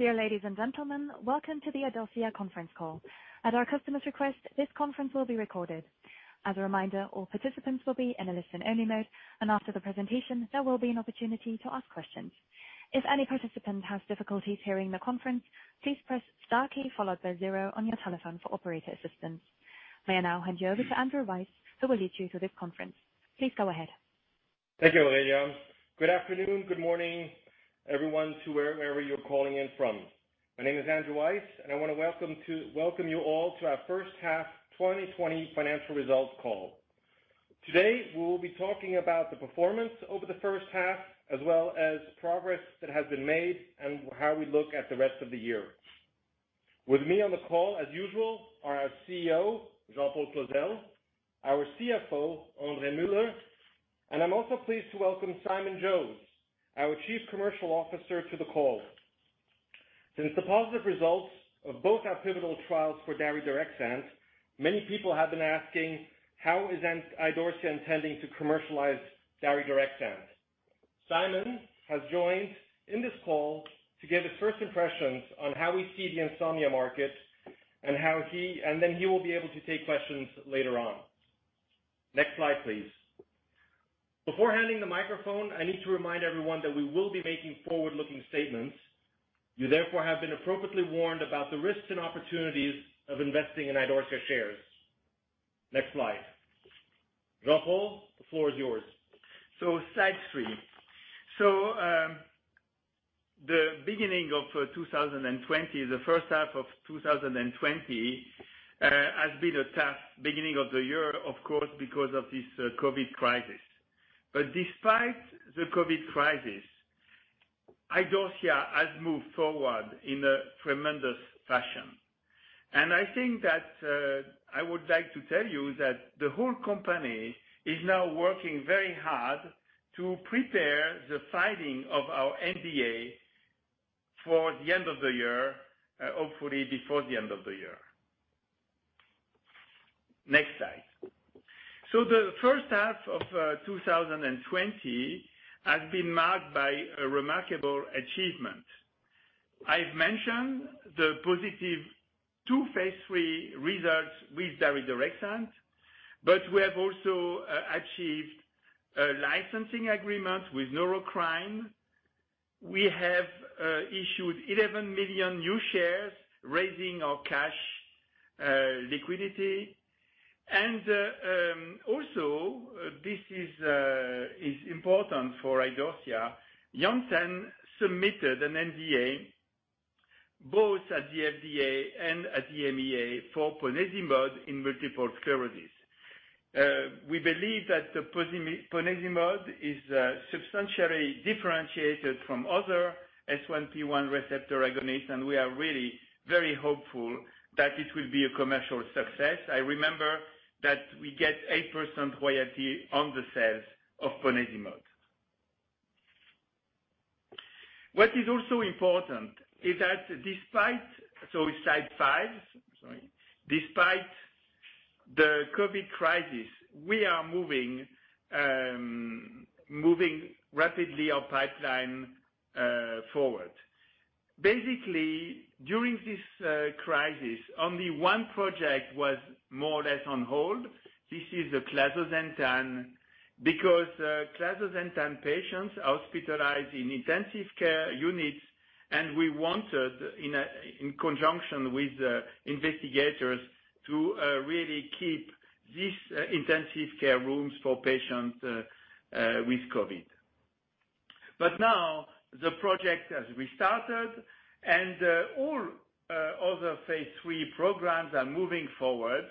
Dear ladies and gentlemen, welcome to the Idorsia conference call. At our customer's request, this conference will be recorded. As a reminder, all participants will be in a listen-only mode, and after the presentation, there will be an opportunity to ask questions. If any participant has difficulties hearing the conference, please press star followed by zero on your telephone for operator assistance. I will now hand you over to Andrew Weiss, who will lead you through this conference. Please go ahead Thank you, Aurelia. Good afternoon, good morning, everyone to wherever you're calling in from. My name is Andrew Weiss. I want to welcome you all to our first half 2020 financial results call. Today, we will be talking about the performance over the first half, as well as progress that has been made and how we look at the rest of the year. With me on the call, as usual, are our CEO, Jean-Paul Clozel, our CFO, André Muller. I'm also pleased to welcome Simon Jose, our Chief Commercial Officer to the call. Since the positive results of both our pivotal trials for daridorexant, many people have been asking, how is Idorsia intending to commercialize daridorexant? Simon has joined in this call to give his first impressions on how we see the insomnia market. Then he will be able to take questions later on. Next slide, please. Before handing the microphone, I need to remind everyone that we will be making forward-looking statements. You therefore have been appropriately warned about the risks and opportunities of investing in Idorsia shares. Next slide. Jean-Paul, the floor is yours. Slide three. The first half of 2020 has been a tough beginning of the year, of course, because of this COVID crisis. Despite the COVID crisis, Idorsia has moved forward in a tremendous fashion. I think that I would like to tell you that the whole company is now working very hard to prepare the filing of our NDA for the end of the year, hopefully before the end of the year. Next slide. The first half of 2020 has been marked by a remarkable achievement. I've mentioned the positive two phase III results with daridorexant, but we have also achieved a licensing agreement with Neurocrine. We have issued 11 million new shares, raising our cash liquidity. Also, this is important for Idorsia, Janssen submitted an NDA both at the FDA and at the EMA for ponesimod in multiple sclerosis. We believe that the ponesimod is substantially differentiated from other S1P1 receptor agonists, and we are really very hopeful that it will be a commercial success. I remember that we get 8% royalty on the sales of ponesimod. What is also important is that, slide five. Sorry. Despite the COVID crisis, we are moving rapidly our pipeline forward. During this crisis, only one project was more or less on hold. This is the clazosentan because clazosentan patients hospitalized in intensive care units, and we wanted, in conjunction with investigators, to really keep these intensive care rooms for patients with COVID. Now, the project has restarted and all other phase III programs are moving forward.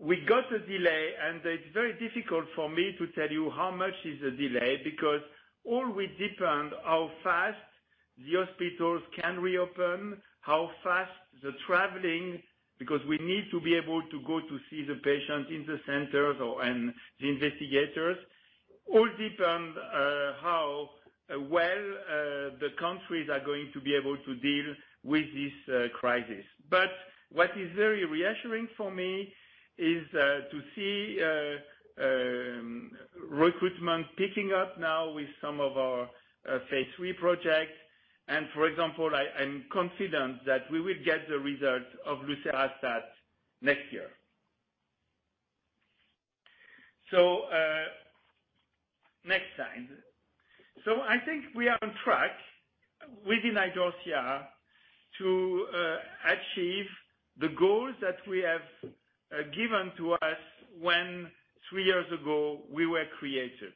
We got a delay. It's very difficult for me to tell you how much is the delay because all will depend how fast the hospitals can reopen, how fast the traveling, because we need to be able to go to see the patients in the centers or, and the investigators. All depend how well the countries are going to be able to deal with this crisis. What is very reassuring for me is to see recruitment picking up now with some of our phase III projects. For example, I'm confident that we will get the results of lucerastat next year. Next slide. I think we are on track within Idorsia to achieve the goals that we have given to us when, three years ago, we were created.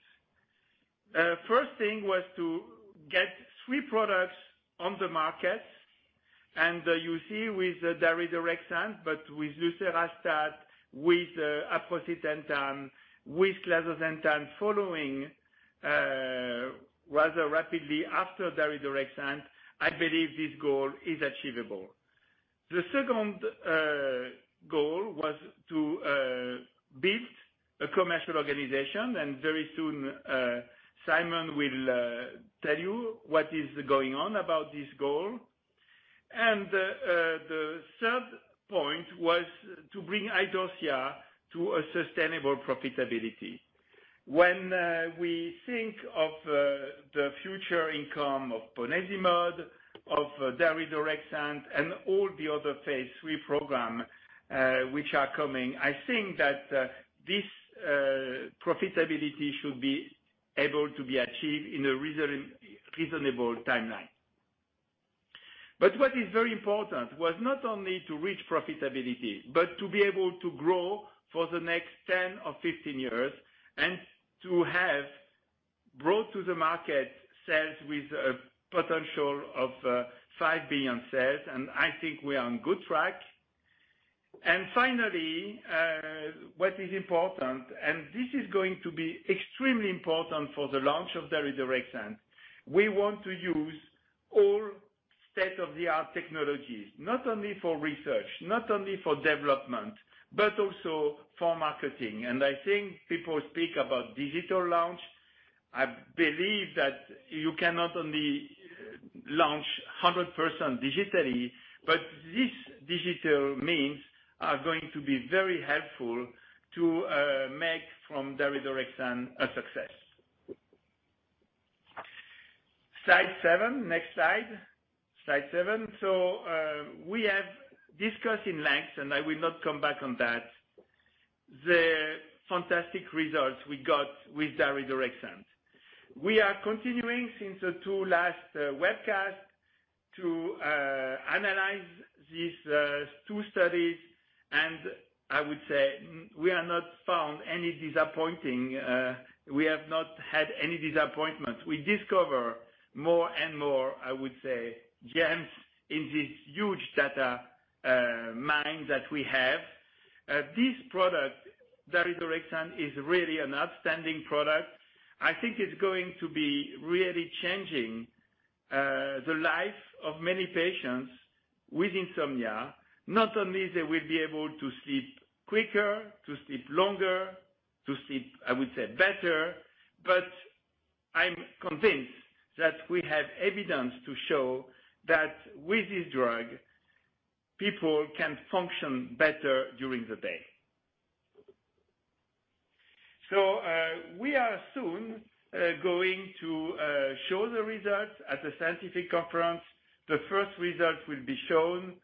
First thing was to get three products on the market, and you see with daridorexant, but with lucerastat, with aprocitentan, with clazosentan following rather rapidly after daridorexant, I believe this goal is achievable. The second goal was to build a commercial organization, and very soon, Simon will tell you what is going on about this goal. The third point was to bring Idorsia to a sustainable profitability. When we think of the future income of ponesimod, of daridorexant, and all the other phase III program which are coming, I think that this profitability should be able to be achieved in a reasonable timeline. What is very important was not only to reach profitability, but to be able to grow for the next 10 years or 15 years, and to have brought to the market sales with a potential of 5 billion sales, and I think we are on good track. Finally, what is important, and this is going to be extremely important for the launch of daridorexant, we want to use all state-of-the-art technologies, not only for research, not only for development, but also for marketing. I think people speak about digital launch. I believe that you cannot only launch 100% digitally, but these digital means are going to be very helpful to make from daridorexant a success. Slide seven. Next slide. Slide seven. We have discussed in length, and I will not come back on that, the fantastic results we got with daridorexant. We are continuing since the two last webcasts to analyze these two studies, and I would say we have not had any disappointment. We discover more and more, I would say, gems in this huge data mine that we have. This product, daridorexant, is really an outstanding product. I think it's going to be really changing the life of many patients with insomnia. Not only they will be able to sleep quicker, to sleep longer, to sleep, I would say, better, but I'm convinced that we have evidence to show that with this drug, people can function better during the day. We are soon going to show the results at a scientific conference. The first result will be shown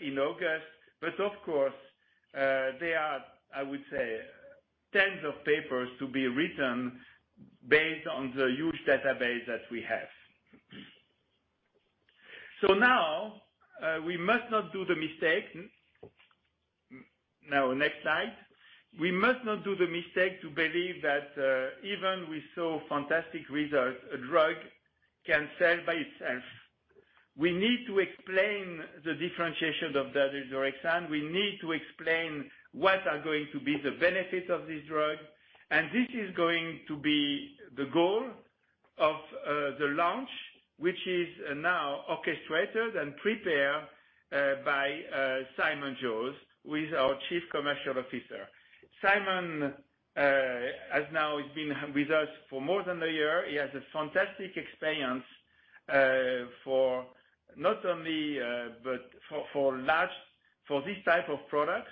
in August, of course, there are, I would say, tens of papers to be written based on the huge database that we have. Now, we must not do the mistake. Now next slide. We must not do the mistake to believe that even we saw fantastic results, a drug can sell by itself. We need to explain the differentiation of daridorexant. We need to explain what are going to be the benefits of this drug. This is going to be the goal of the launch, which is now orchestrated and prepared by Simon Jose, who is our Chief Commercial Officer. Simon has now been with us for more than a year. He has a fantastic experience for not only, but for this type of products.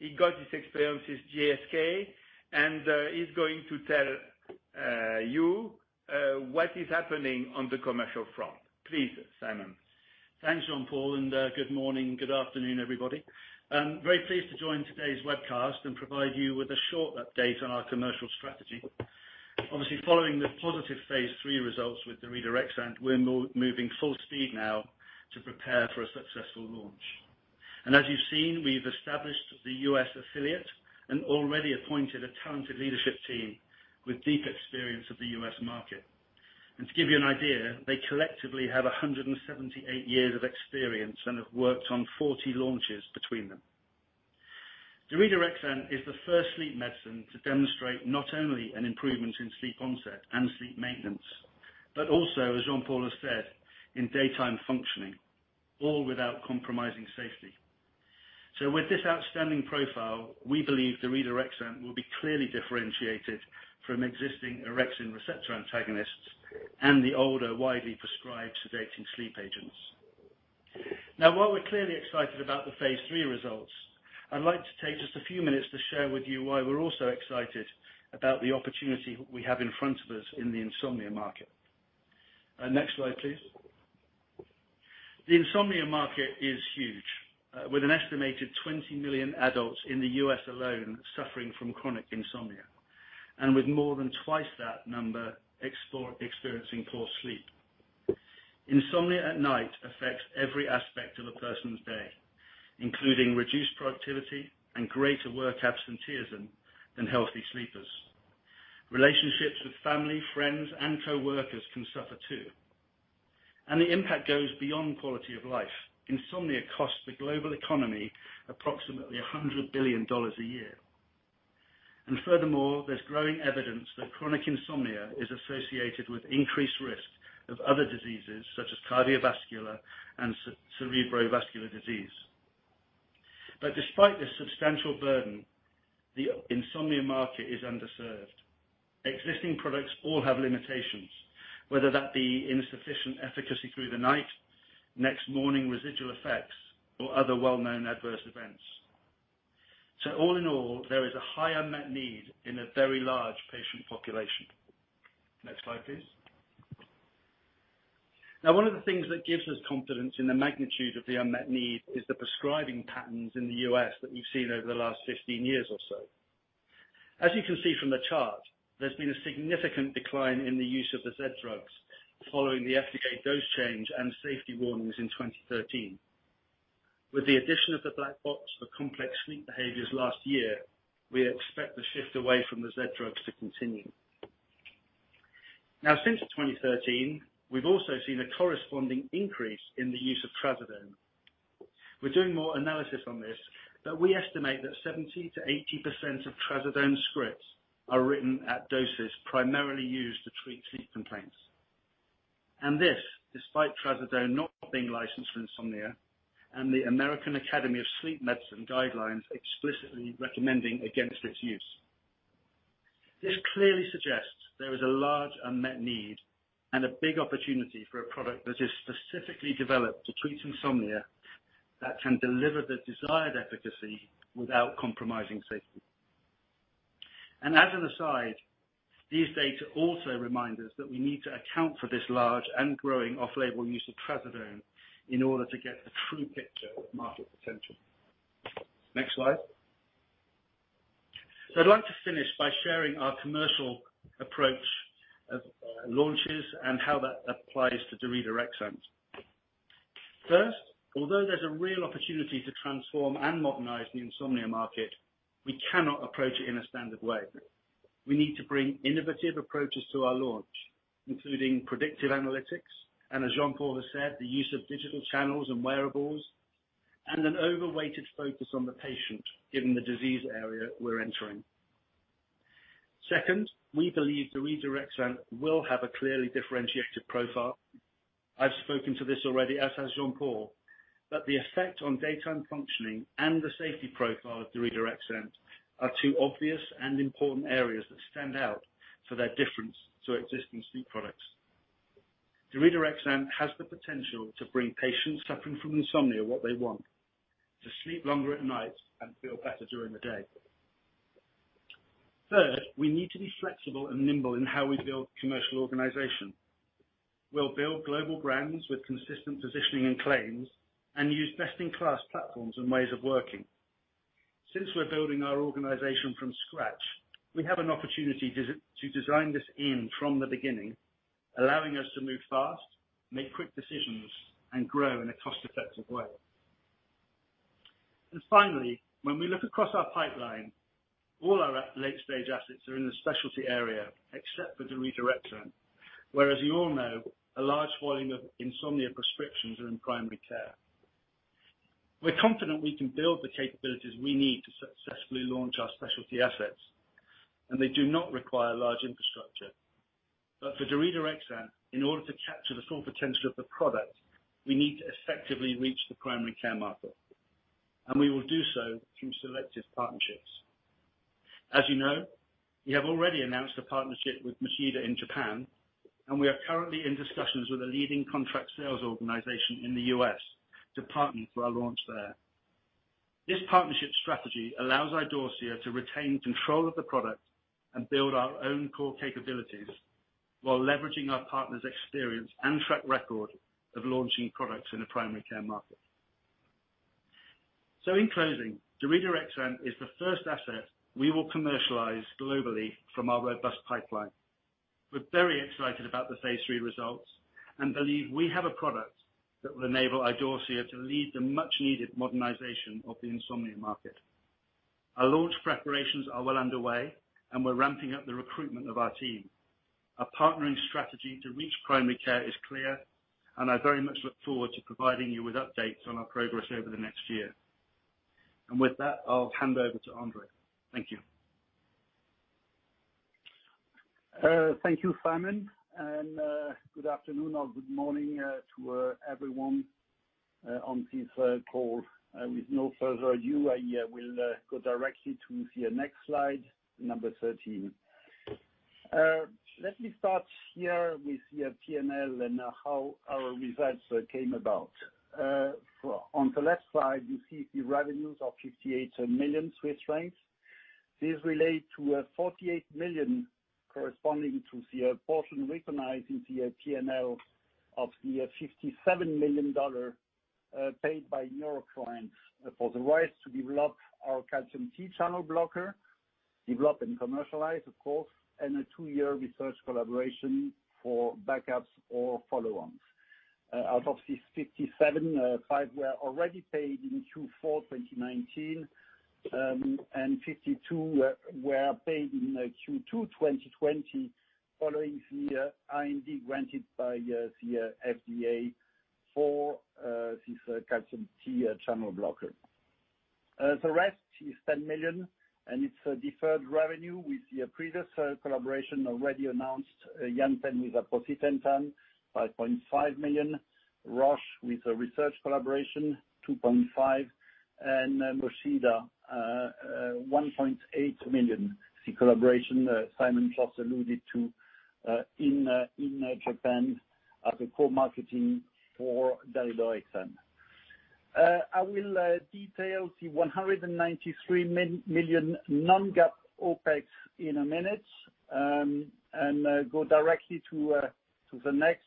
He got his experience with GSK, and he's going to tell you what is happening on the commercial front. Please, Simon. Thanks, Jean-Paul. Good morning, good afternoon, everybody. I'm very pleased to join today's webcast and provide you with a short update on our commercial strategy. Obviously, following the positive phase III results with daridorexant, we're moving full speed now to prepare for a successful launch. As you've seen, we've established the U.S. affiliate and already appointed a talented leadership team with deep experience of the U.S. market. To give you an idea, they collectively have 178 years of experience and have worked on 40 launches between them. Daridorexant is the first sleep medicine to demonstrate not only an improvement in sleep onset and sleep maintenance, but also, as Jean-Paul has said, in daytime functioning, all without compromising safety. With this outstanding profile, we believe daridorexant will be clearly differentiated from existing orexin receptor antagonists and the older, widely prescribed sedating sleep agents. While we're clearly excited about the phase III results, I'd like to take just a few minutes to share with you why we're also excited about the opportunity we have in front of us in the insomnia market. Next slide, please. The insomnia market is huge, with an estimated 20 million adults in the U.S. alone suffering from chronic insomnia, and with more than twice that number experiencing poor sleep. Insomnia at night affects every aspect of a person's day, including reduced productivity and greater work absenteeism than healthy sleepers. Relationships with family, friends, and coworkers can suffer too. The impact goes beyond quality of life. Insomnia costs the global economy approximately CHF 100 billion a year. Furthermore, there's growing evidence that chronic insomnia is associated with increased risk of other diseases such as cardiovascular and cerebrovascular disease. Despite this substantial burden, the insomnia market is underserved. Existing products all have limitations, whether that be insufficient efficacy through the night-Next morning residual effects or other well-known adverse events. All in all, there is a high unmet need in a very large patient population. Next slide, please. One of the things that gives us confidence in the magnitude of the unmet need is the prescribing patterns in the U.S. that we've seen over the last 15 years or so. As you can see from the chart, there's been a significant decline in the use of the Z-drugs following the FDA dose change and safety warnings in 2013. With the addition of the black box for complex sleep behaviors last year, we expect the shift away from the Z-drugs to continue. Since 2013, we've also seen a corresponding increase in the use of trazodone. We're doing more analysis on this, we estimate that 70%-80% of trazodone scripts are written at doses primarily used to treat sleep complaints. This, despite trazodone not being licensed for insomnia and the American Academy of Sleep Medicine guidelines explicitly recommending against its use. This clearly suggests there is a large unmet need and a big opportunity for a product that is specifically developed to treat insomnia, that can deliver the desired efficacy without compromising safety. As an aside, these data also remind us that we need to account for this large and growing off-label use of trazodone in order to get the true picture of market potential. Next slide. I'd like to finish by sharing our commercial approach of launches and how that applies to daridorexant. First, although there's a real opportunity to transform and modernize the insomnia market, we cannot approach it in a standard way. We need to bring innovative approaches to our launch, including predictive analytics, and as Jean-Paul has said, the use of digital channels and wearables, and an overweighted focus on the patient given the disease area we're entering. Second, we believe daridorexant will have a clearly differentiated profile. I've spoken to this already, as has Jean-Paul, that the effect on daytime functioning and the safety profile of daridorexant are two obvious and important areas that stand out for their difference to existing sleep products. Daridorexant has the potential to bring patients suffering from insomnia what they want, to sleep longer at night and feel better during the day. Third, we need to be flexible and nimble in how we build commercial organization. We'll build global brands with consistent positioning and claims and use best-in-class platforms and ways of working. Since we're building our organization from scratch, we have an opportunity to design this in from the beginning, allowing us to move fast, make quick decisions, and grow in a cost-effective way. Finally, when we look across our pipeline, all our late-stage assets are in the specialty area, except for daridorexant, where as you all know, a large volume of insomnia prescriptions are in primary care. We're confident we can build the capabilities we need to successfully launch our specialty assets, and they do not require large infrastructure. For daridorexant, in order to capture the full potential of the product, we need to effectively reach the primary care market. We will do so through selective partnerships. As you know, we have already announced a partnership with Mochida in Japan, and we are currently in discussions with a leading contract sales organization in the U.S. to partner for our launch there. This partnership strategy allows Idorsia to retain control of the product and build our own core capabilities while leveraging our partner's experience and track record of launching products in the primary care market. In closing, daridorexant is the first asset we will commercialize globally from our robust pipeline. We're very excited about the phase III results and believe we have a product that will enable Idorsia to lead the much-needed modernization of the insomnia market. Our launch preparations are well underway, and we're ramping up the recruitment of our team. Our partnering strategy to reach primary care is clear, and I very much look forward to providing you with updates on our progress over the next year. With that, I'll hand over to André. Thank you. Thank you, Simon. Good afternoon or good morning to everyone on this call. With no further ado, I will go directly to the next slide 13. Let me start here with the P&L and how our results came about. On the left side, you see the revenues of 58 million Swiss francs. This relate to a $48 million corresponding to the portion recognized in the P&L of the $57 million paid by Neurocrine for the rights to develop our calcium T-channel blocker, develop and commercialize of course, and a two-year research collaboration for backups or follow-ons. Out of this $57 million, $5 million were already paid in Q4 2019, and $52 million were paid in Q2 2020 following the IND granted by the FDA for this calcium T-channel blocker. The rest is 10 million, and it's a deferred revenue with the previous collaboration already announced, Janssen with aprocitentan, 5.5 million, Roche with a research collaboration, 2.5 million. And Mochida, 1.8 million. The collaboration that Simon Jose alluded to in Japan as a co-marketing for Dalbivitin. I will detail the 193 million non-GAAP OpEx in a minute, and go directly to the next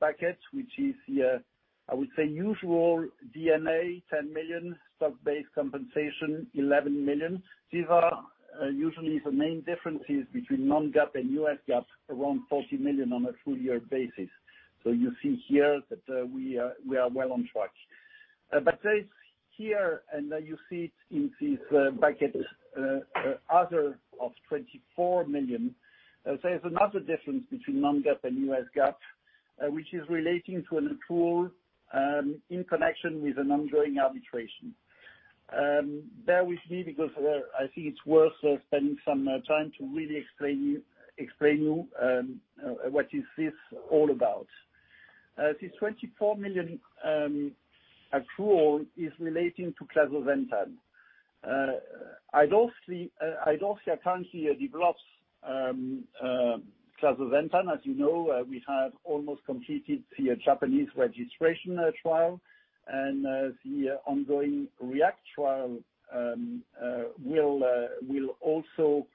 bucket, which is the, I would say, usual D&A, 10 million, stock-based compensation, 11 million. These are usually the main differences between non-GAAP and U.S. GAAP, around 40 million on a full year basis. You see here that we are well on track. There is here, and you see it in this bucket, other of 24 million. There's another difference between non-GAAP and U.S. GAAP, which is relating to an accrual in connection with an ongoing arbitration. Bear with me because I think it's worth spending some time to really explain you what is this all about. This 24 million accrual is relating to clazosentan. Idorsia currently develops clazosentan. As you know, we have almost completed the Japanese registration trial, and the ongoing REACT trial will also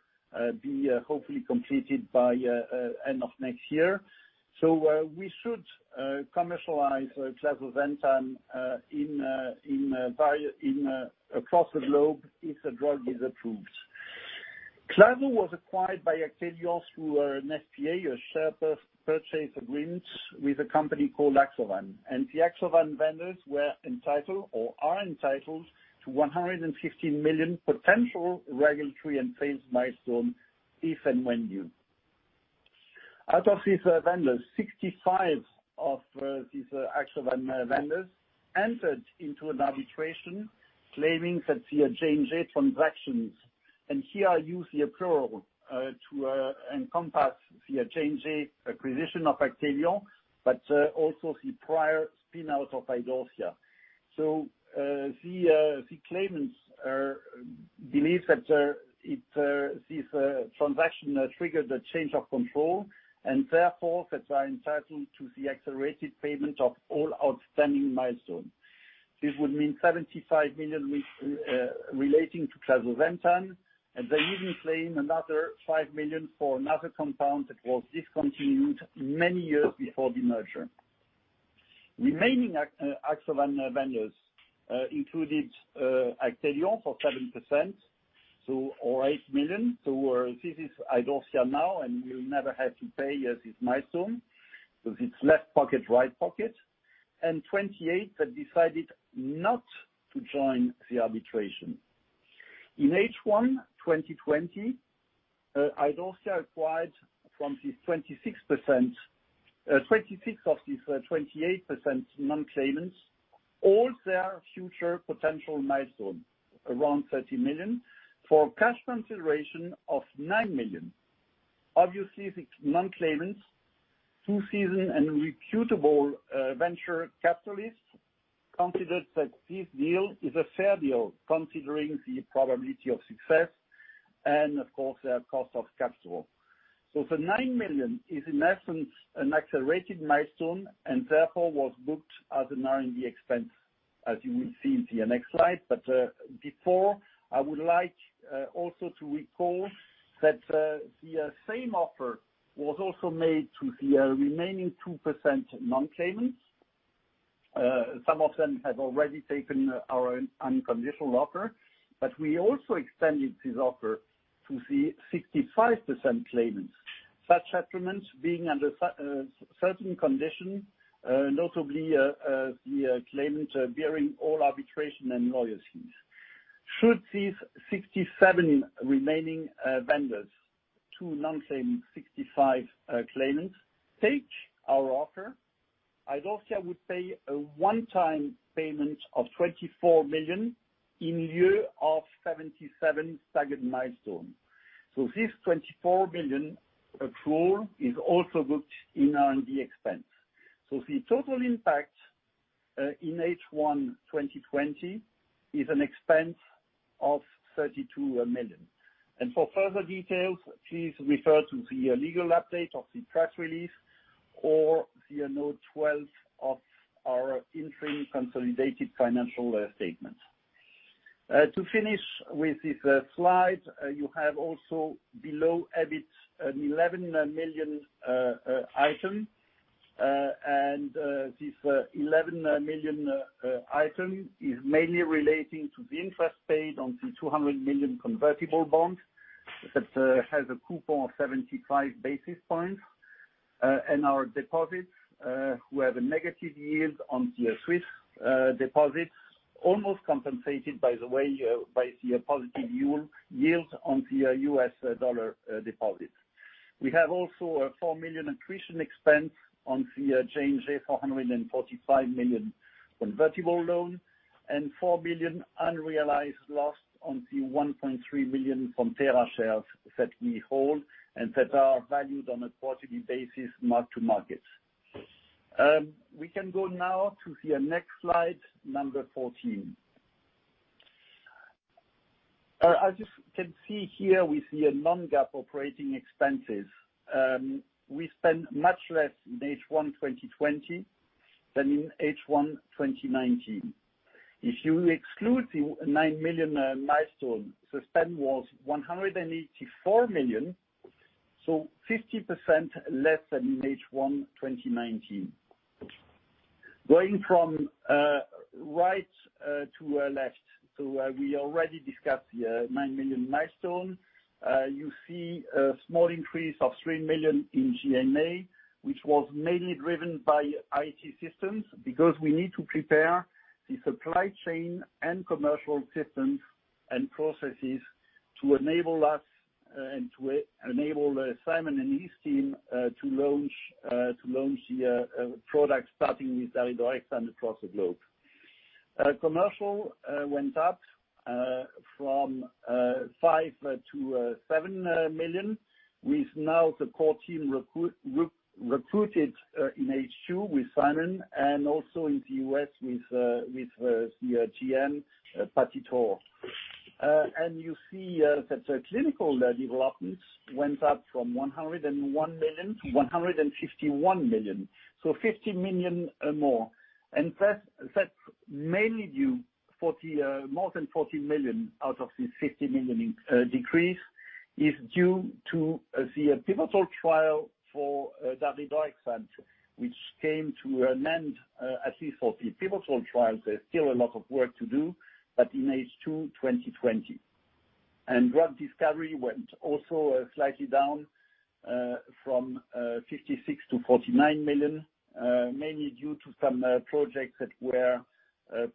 be hopefully completed by end of next year. We should commercialize clazosentan across the globe if the drug is approved. Clazo was acquired by Actelion through an SPA, a share purchase agreement with a company called Axovan. The Axovan vendors were entitled or are entitled to 115 million potential regulatory and sales milestone if and when due. Out of these vendors, 65 of these Axovan vendors entered into an arbitration claiming that the J&J transactions. Here I use the accrual to encompass the J&J acquisition of Actelion, but also the prior spin-out of Idorsia. The claimants believe that this transaction triggered the change of control and therefore that they are entitled to the accelerated payment of all outstanding milestones. This would mean 75 million relating to clazosentan, and they even claim another 5 million for another compound that was discontinued many years before the merger. Remaining Axovan vendors included Actelion for 7%, or 8 million. This is Idorsia now, and we will never have to pay this milestone. It's left pocket, right pocket. 28 that decided not to join the arbitration. In H1 2020, Idorsia acquired from this 26% of these 28% non-claimants all their future potential milestones, around 30 million, for cash consideration of 9 million. Obviously, the non-claimants, two seasoned and reputable venture capitalists, considered that this deal is a fair deal considering the probability of success and of course, their cost of capital. The 9 million is in essence an accelerated milestone and therefore was booked as an R&D expense, as you will see in the next slide. Before, I would like also to recall that the same offer was also made to the remaining 2% non-claimants. Some of them have already taken our unconditional offer, but we also extended this offer to the 65% claimants. Such settlements being under certain conditions, notably the claimants bearing all arbitration and lawyer fees. Should these 67 remaining vendors, two non-claim, 65 claimants, take our offer, Idorsia would pay a one-time payment of $24 million in lieu of 77 staggered milestones. This $24 million accrual is also booked in R&D expense. The total impact in H1 2020 is an expense of $32 million. For further details, please refer to the legal update of the press release or the Note 12 of our interim consolidated financial statement. To finish with this slide, you have also below EBIT, a 11 million item. This 11 million item is mainly relating to the interest paid on the 200 million convertible bond that has a coupon of 75 basis points. Our deposits, we have a negative yield on the Swiss deposits, almost compensated, by the way, by the positive yield on the US dollar deposits. We have also a 4 million accretion expense on the J&J 445 million convertible loan and 4 billion unrealized loss on the 1.3 million Fonterra shares that we hold and that are valued on a quarterly basis mark to market. We can go now to the next slide, number 14. As you can see here, we see a non-GAAP operating expenses. We spent much less in H1 2020 than in H1 2019. If you exclude the 9 million milestone, the spend was 184 million, so 50% less than in H1 2019. Going from right to left, we already discussed the 9 million milestone. You see a small increase of 3 million in G&A, which was mainly driven by IT systems, because we need to prepare the supply chain and commercial systems and processes to enable us and to enable Simon and his team to launch the product, starting with daridorexant across the globe. Commercial went up from 5 million to 7 million, with now the core team recruited in H2 with Simon and also in the U.S. with the GM, Patty Torr. You see that the clinical developments went up from 101 million to 151 million, 50 million more. That's mainly due. More than 40 million out of the 50 million increase is due to the pivotal trial for daridorexant, which came to an end, at least for the pivotal trial. There's still a lot of work to do, but in H2 2020. Drug discovery went also slightly down, from 56million-49 million, mainly due to some projects that were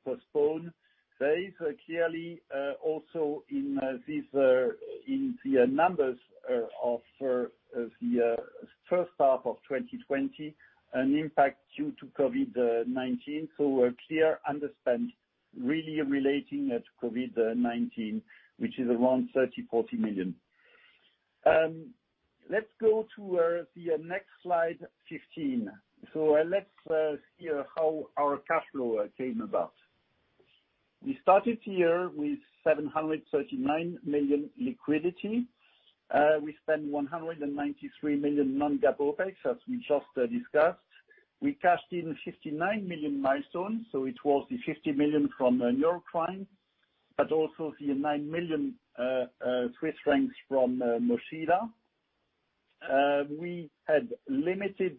postponed. There is clearly also in the numbers of the first half of 2020, an impact due to COVID-19. A clear underspend really relating to COVID-19, which is around 30 million, 40 million. Let's go to the next slide, 15. Let's hear how our cash flow came about. We started the year with 739 million liquidity. We spent 193 million non-GAAP OpEx, as we just discussed. We cashed in 59 million milestones. It was the 50 million from Neurocrine, the 9 million Swiss francs from Mochida. We had limited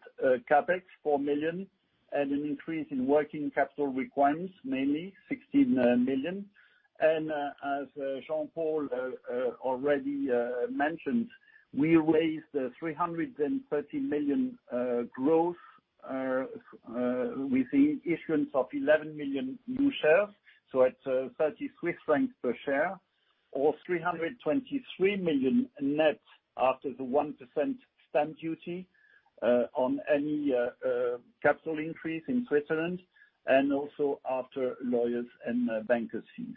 CapEx, 4 million, an increase in working capital requirements, mainly 16 million. As Jean-Paul already mentioned, we raised CHF 330 million gross with the issuance of 11 million new shares, at 30 francs per share or 323 million net after the 1% stamp duty on any capital increase in Switzerland after lawyers' and bankers' fees.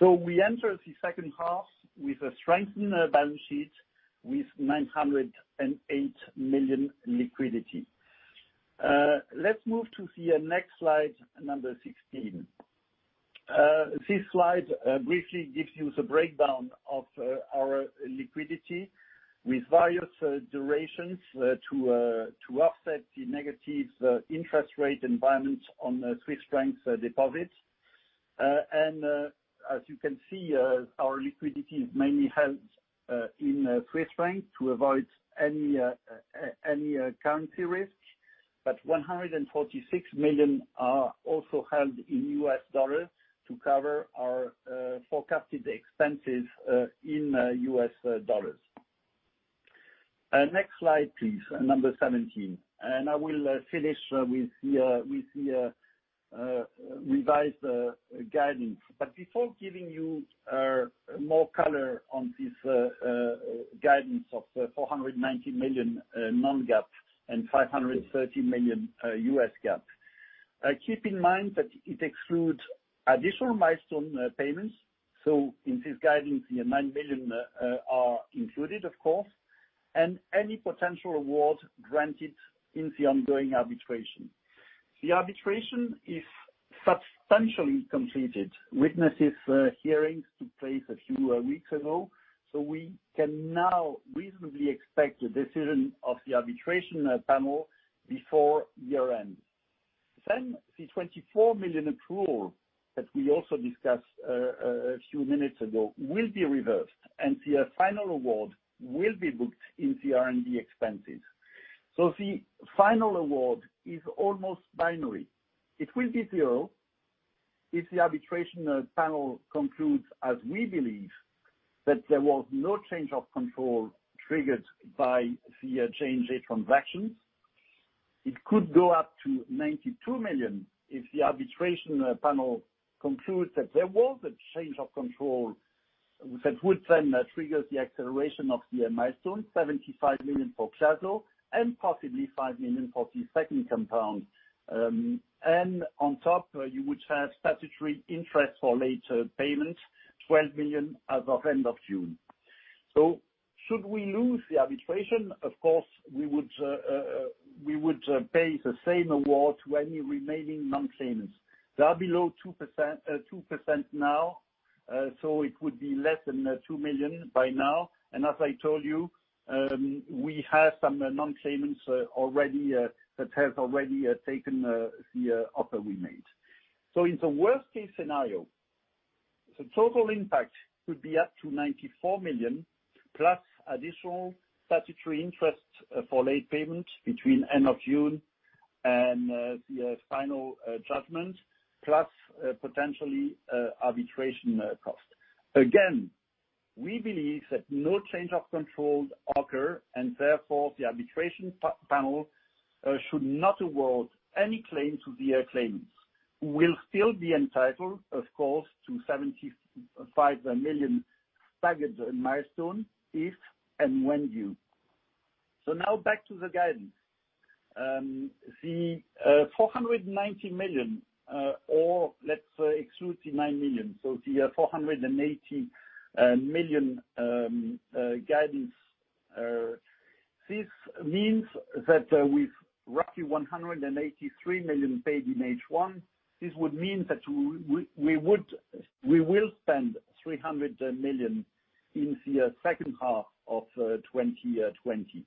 We enter the second half with a strengthened balance sheet with 908 million liquidity. Let's move to the next slide, number 16. This slide briefly gives you the breakdown of our liquidity with various durations to offset the negative interest rate environment on the Swiss Franc deposits. As you can see, our liquidity is mainly held in CHF to avoid any currency risks. 146 million are also held in US dollars to cover our forecasted expenses in US dollars. Next slide, please, number 17. I will finish with the revised guidance. Before giving you more color on this guidance of 490 million non-GAAP and 530 million US GAAP, keep in mind that it excludes additional milestone payments. In this guidance, the 9 million are included, of course, and any potential award granted in the ongoing arbitration. The arbitration is substantially completed. Witnesses hearings took place a few weeks ago. We can now reasonably expect the decision of the arbitration panel before year-end. The 24 million accrual that we also discussed a few minutes ago will be reversed, and the final award will be booked in the R&D expenses. The final award is almost binary. It will be zero if the arbitration panel concludes, as we believe, that there was no change of control triggered by the Change A transaction. It could go up to 92 million if the arbitration panel concludes that there was a change of control that would then trigger the acceleration of the milestone, 75 million for Tarlho and possibly 5 million for the second compound. On top, you would have statutory interest for late payment, 12 million as of end of June. Should we lose the arbitration, of course, we would pay the same award to any remaining non-claimants. They are below 2% now, so it would be less than 2 million by now. As I told you, we have some non-claimants that have already taken the offer we made. In the worst-case scenario, the total impact could be up to 94 million, plus additional statutory interest for late payment between end of June and the final judgment, plus potentially arbitration cost. We believe that no change of control occurred, and therefore the arbitration panel should not award any claim to the claimants, who will still be entitled, of course, to 75 million targets and milestones if and when due. Back to the guidance. The 490 million, or let's exclude the 9 million, the 480 million guidance. This means that with roughly 183 million paid in H1, this would mean that we will spend 300 million in the second half of 2020.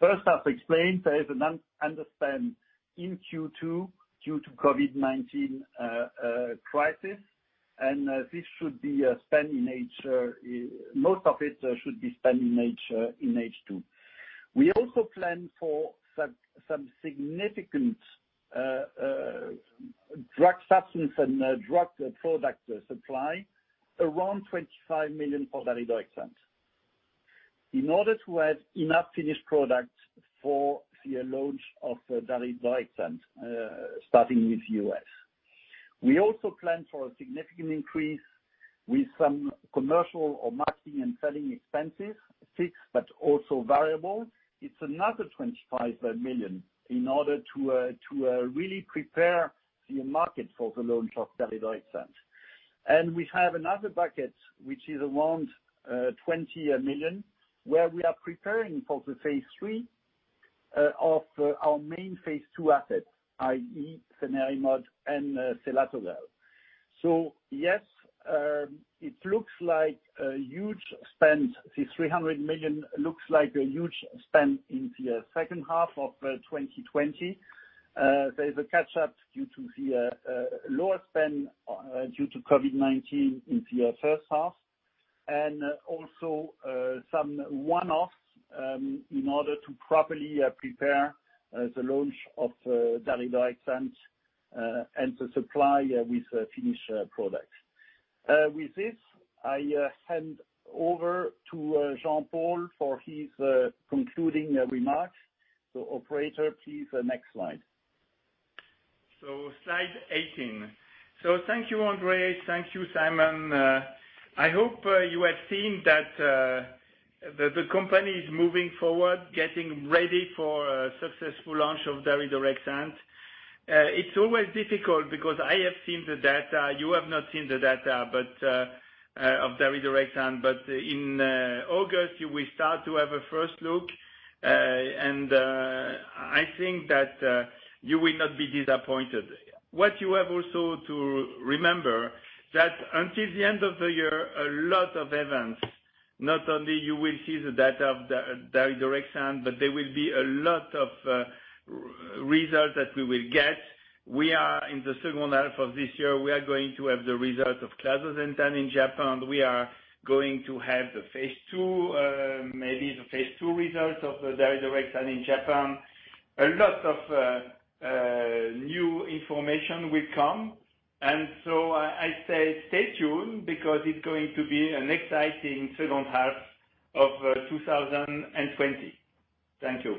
First half explained, there is an underspend in Q2 due to COVID-19 crisis, and most of it should be spent in H2. We also plan for some significant drug substance and drug product supply, around 25 million for daridorexant. In order to have enough finished product for the launch of daridorexant, starting with U.S. We also plan for a significant increase with some commercial or marketing and selling expenses, fixed but also variable. It's another 25 million in order to really prepare the market for the launch of daridorexant. We have another bucket, which is around 20 million, where we are preparing for the phase III of our main phase II assets, i.e. cenerimod and selatogrel. Yes, it looks like a huge spend. The 300 million looks like a huge spend in the second half of 2020. There is a catch-up due to the lower spend due to COVID-19 in the first half. Also some one-offs in order to properly prepare the launch of daridorexant and the supply with finished products. With this, I hand over to Jean-Paul for his concluding remarks. Operator, please, next slide. Slide 18. Thank you, André. Thank you, Simon. I hope you have seen that the company is moving forward, getting ready for a successful launch of daridorexant. It's always difficult because I have seen the data. You have not seen the data of daridorexant. In August, you will start to have a first look, and I think that you will not be disappointed. What you have also to remember, that until the end of the year, a lot of events, not only you will see the data of daridorexant, but there will be a lot of results that we will get. In the second half of this year, we are going to have the result of clazosentan in Japan. We are going to have maybe the phase II results of daridorexant in Japan. A lot of new information will come. I say stay tuned because it's going to be an exciting second half of 2020. Thank you.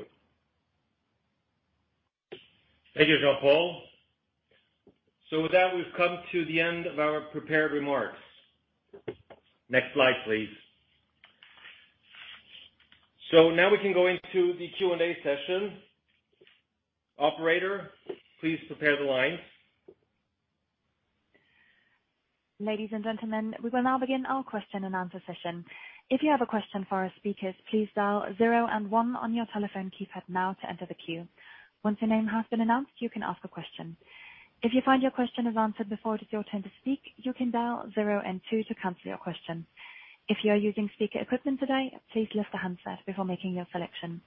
Thank you, Jean-Paul. With that, we've come to the end of our prepared remarks. Next slide, please. Now we can go into the Q&A session. Operator, please prepare the lines. Ladies and gentlemen, we will now begin our question and answer session. If you have a question for our speakers, please dial zero and one on your telephone keypad now to enter the queue. Once your name has been announced, you can ask a question. If you find your question is answered before it is your turn to speak, you can dial zero and two to cancel your question. If you are using speaker equipment today, please lift the handset before making your selection.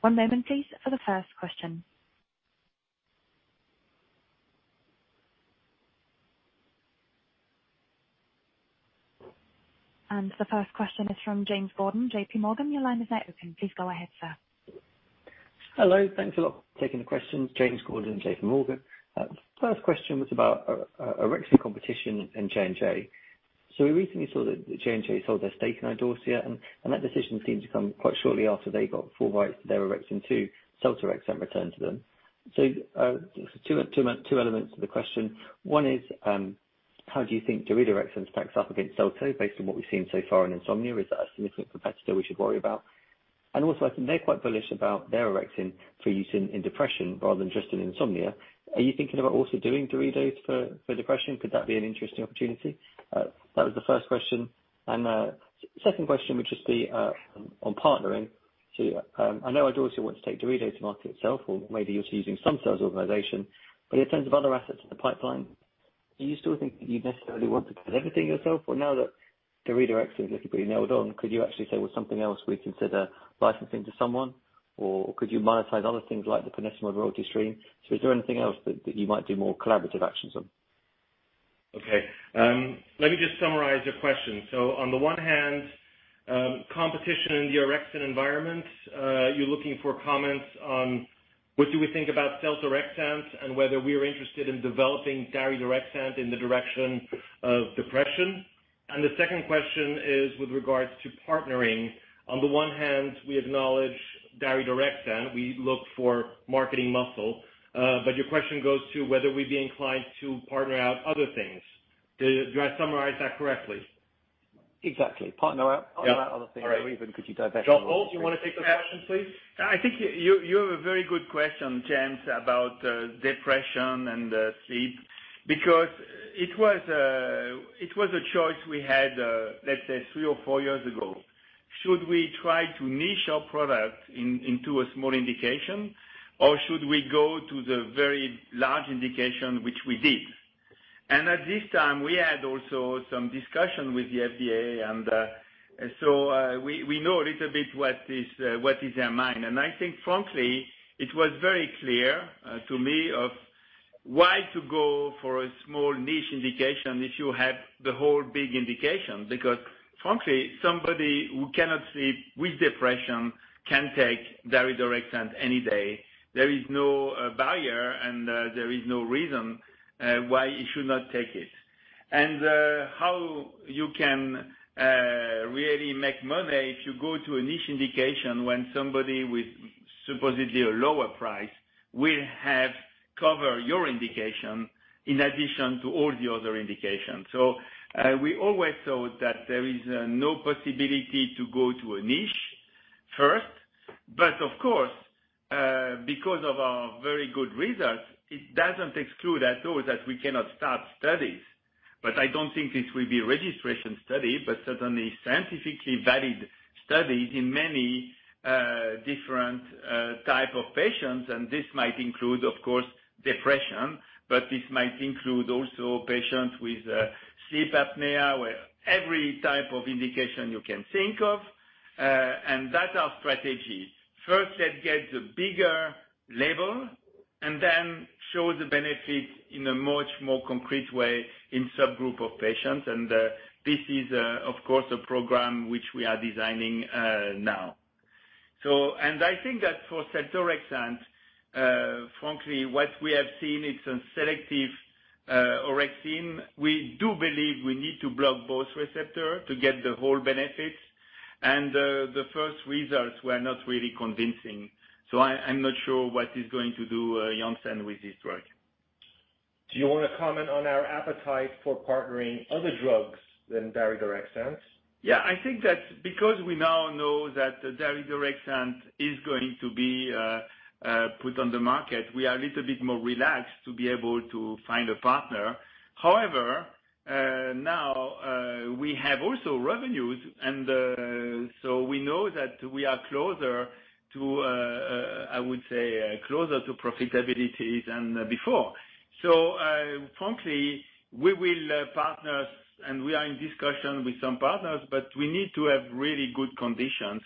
One moment, please, for the first question. The first question is from James Gordon, JPMorgan. Your line is now open. Please go ahead, sir. Hello. Thanks a lot for taking the question. James Gordon, JPMorgan. First question was about orexin competition and J&J. We recently saw that J&J sold their stake in Idorsia, and that decision seemed to come quite shortly after they got full rights to their Orexin 2, seltorexant returned to them. Two elements to the question. One is, how do you think daridorexant stacks up against selto? Based on what we've seen so far in insomnia, is that a significant competitor we should worry about? I think they're quite bullish about their orexin for use in depression rather than just in insomnia. Are you thinking about also doing Daridore for depression? Could that be an interesting opportunity? That was the first question. Second question would just be on partnering. I know Idorsia wants to take Daridore to market itself, or maybe you're using some sales organization, but in terms of other assets in the pipeline, do you still think that you'd necessarily want to take everything yourself? Now that Daridore is literally nailed on, could you actually say, "Well, something else we consider licensing to someone?" Could you monetize other things like the ponesimod royalty stream? Is there anything else that you might do more collaborative actions on? Okay. Let me just summarize your question. On the one hand, competition in the orexin environment, you're looking for comments on what do we think about seltorexant and whether we are interested in developing Daridorexant in the direction of depression. The second question is with regards to partnering. On the one hand, we acknowledge Daridorexant, we look for marketing muscle. Your question goes to whether we'd be inclined to partner out other things. Do I summarize that correctly? Exactly. Partner out other things- All right. Even could you divert-. Jean-Paul, do you want to take the question, please? I think you have a very good question, James, about depression and sleep. It was a choice we had, let's say three or four years ago. Should we try to niche our product into a small indication, or should we go to the very large indication, which we did? At this time, we had also some discussion with the FDA and so we know a little bit what is their mind. I think frankly, it was very clear to me of why to go for a small niche indication if you have the whole big indication. Frankly, somebody who cannot sleep with depression can take daridorexant any day. There is no barrier and there is no reason why you should not take it. How you can really make money if you go to a niche indication when somebody with supposedly a lower price will have cover your indication in addition to all the other indications. We always thought that there is no possibility to go to a niche first. Of course, because of our very good results, it doesn't exclude at all that we cannot start studies. I don't think this will be a registration study, but certainly scientifically valid studies in many different type of patients, and this might include, of course, depression, but this might include also patients with sleep apnea, where every type of indication you can think of. That's our strategy. First let's get the bigger label, and then show the benefit in a much more concrete way in subgroup of patients. This is, of course, a program which we are designing now. I think that for seltorexant, frankly, what we have seen, it's a selective orexin. We do believe we need to block both receptor to get the whole benefits. The first results were not really convincing, so I'm not sure what is going to do Janssen with this drug. Do you want to comment on our appetite for partnering other drugs than Daridorexant? Yeah, I think that because we now know that Daridorexant is going to be put on the market, we are a little bit more relaxed to be able to find a partner. However, now we have also revenues, and so we know that we are closer to profitability than before. Frankly, we will partner and we are in discussion with some partners, but we need to have really good conditions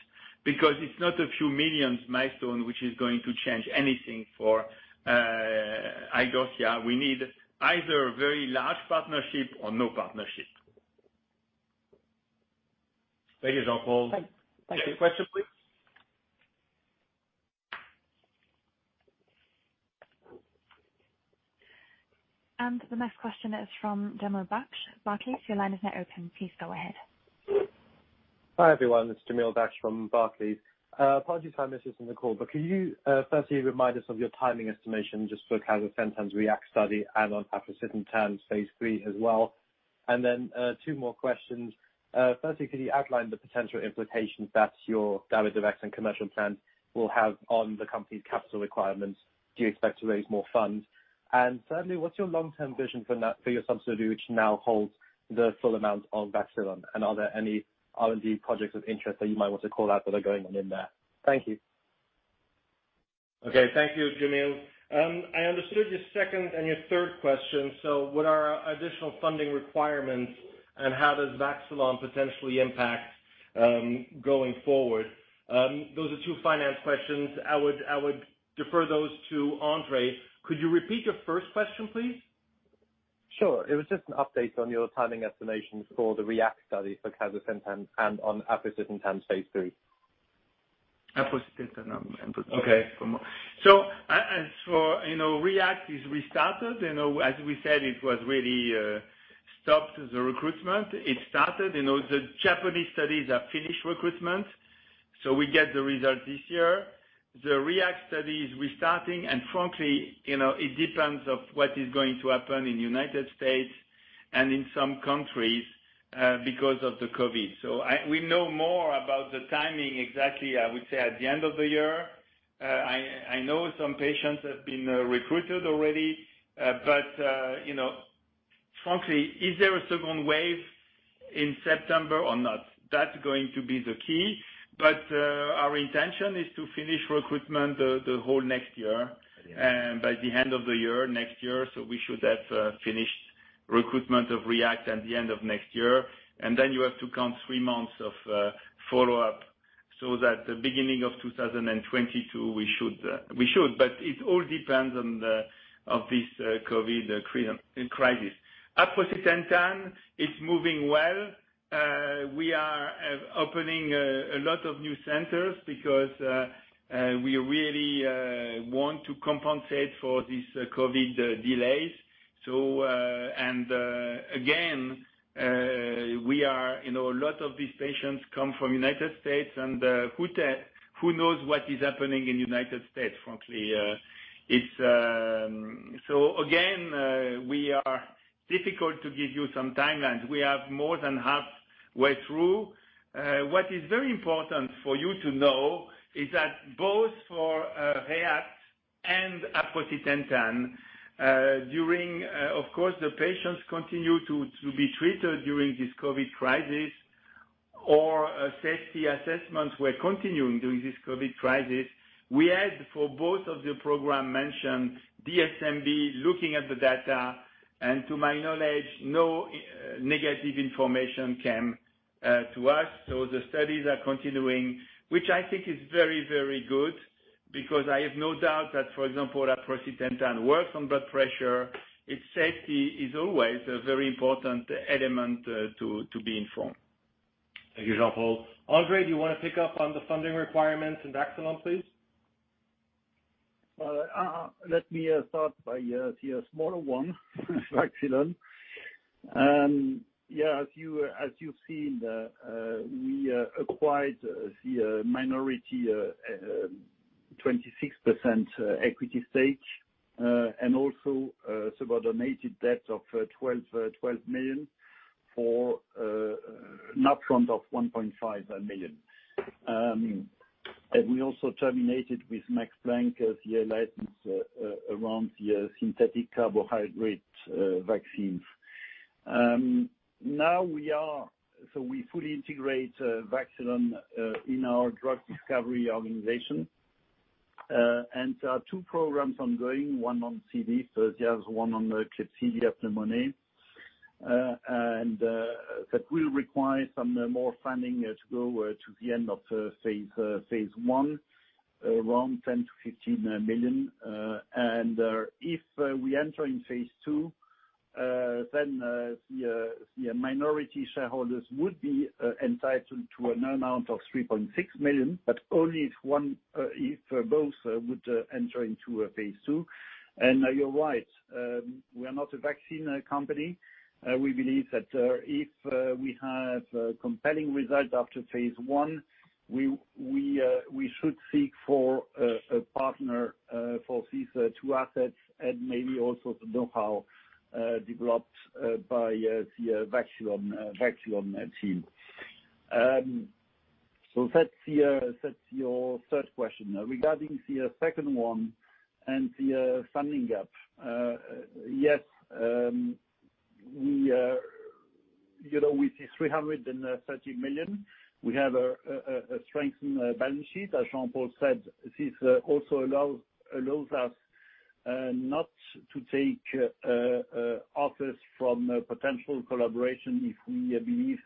because it's not a few 2 million milestone which is going to change anything for Idorsia. We need either a very large partnership or no partnership. Thank you, Jean-Paul. Thank you. Next question, please. The next question is from Jamil Dash. Barclays, your line is now open. Please go ahead. Hi, everyone, it's Jamil Dash from Barclays. Apologies if I missed this in the call, but can you firstly remind us of your timing estimation just for clazosentan's REACT study and on aprocitentan phase III as well? Two more questions. Firstly, could you outline the potential implications that your daridorexant commercial plan will have on the company's capital requirements? Do you expect to raise more funds? Thirdly, what's your long-term vision for your subsidiary which now holds the full amount of Vaxxilon? Are there any R&D projects of interest that you might want to call out that are going on in there? Thank you. Okay. Thank you, Jamil. I understood your second and your third question. What are our additional funding requirements and how does Vaxxilon potentially impact going forward? Those are two finance questions. I would defer those to André. Could you repeat your first question, please? Sure. It was just an update on your timing estimations for the REACT study for clazosentan and on aprocitentan phase III. Aprocitant. Okay. REACT is restarted. As we said, it was really stopped the recruitment. The Japanese studies are finished recruitment. We get the result this year. The REACT study is restarting, and frankly, it depends of what is going to happen in the U.S. and in some countries, because of the COVID. We know more about the timing exactly, I would say, at the end of the year. I know some patients have been recruited already. Frankly, is there a second wave in September or not? That's going to be the key. Our intention is to finish recruitment the whole next year. Yeah. By the end of the year, next year. We should have finished recruitment of REACT at the end of next year. You have to count three months of follow-up, so that the beginning of 2022, we should. It all depends on this COVID crisis. aprocitentan is moving well. We are opening a lot of new centers because we really want to compensate for these COVID delays. A lot of these patients come from United States. Who knows what is happening in United States, frankly. We are difficult to give you some timelines. We are more than halfway through. What is very important for you to know is that both for REACT and aprocitentan, of course, the patients continue to be treated during this COVID crisis, our safety assessments were continuing during this COVID crisis. We had, for both of the program mentioned, DSMB looking at the data, and to my knowledge, no negative information came to us. The studies are continuing, which I think is very good because I have no doubt that, for example, aprocitentan works on blood pressure. Its safety is always a very important element to be informed. Thank you, Jean-Paul. André, do you want to pick up on the funding requirements and Vaxxilon, please? Let me start by the smaller one, Vaxxilon. Yeah, as you've seen, we acquired the minority 26% equity stake. Also subordinated debt of 12 million for an upfront of 1.5 million. We also terminated with Max Planck the license around the synthetic carbohydrate vaccines. We fully integrate Vaxxilon in our drug discovery organization. There are two programs ongoing, one on CD30 and one on Klebsiella pneumoniae, that will require some more funding to go to the end of phase I, around 10 million-15 million. If we enter in phase II, then the minority shareholders would be entitled to an amount of 3.6 million, only if both would enter into a phase II. You're right, we are not a vaccine company. We believe that if we have compelling results after phase I, we should seek for a partner for these two assets and maybe also the know-how developed by the Vaxxilon team. That's your third question. Regarding the second one and the funding gap. Yes, with the 330 million, we have a strengthened balance sheet. As Jean-Paul said, this also allows us not to take offers from potential collaboration if we believe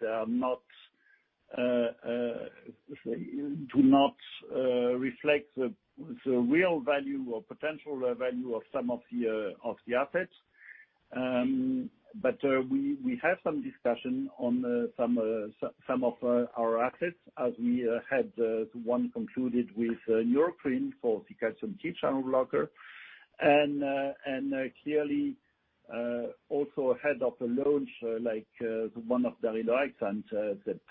do not reflect the real value or potential value of some of the assets. We have some discussion on some of our assets as we had one concluded with Neurocrine for the calcium T-channel blocker. Clearly, also ahead of the launch, like the one of daridorexant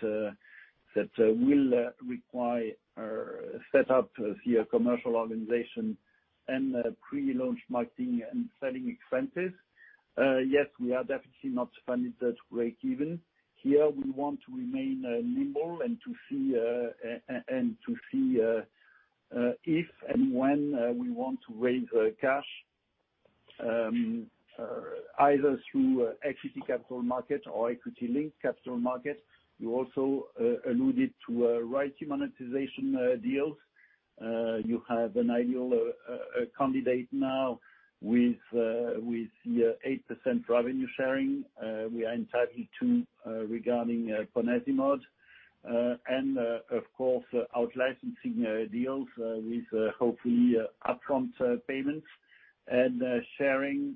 that will require a set up of the commercial organization and pre-launch marketing and selling expenses. Yes, we are definitely not funded to break even. Here, we want to remain nimble and to see if and when we want to raise cash, either through equity capital market or equity-linked capital market. You also alluded to royalty monetization deals. You have an ideal candidate now with the 8% revenue sharing we are entitled to regarding ponesimod. Of course, out-licensing deals with hopefully upfront payments and sharing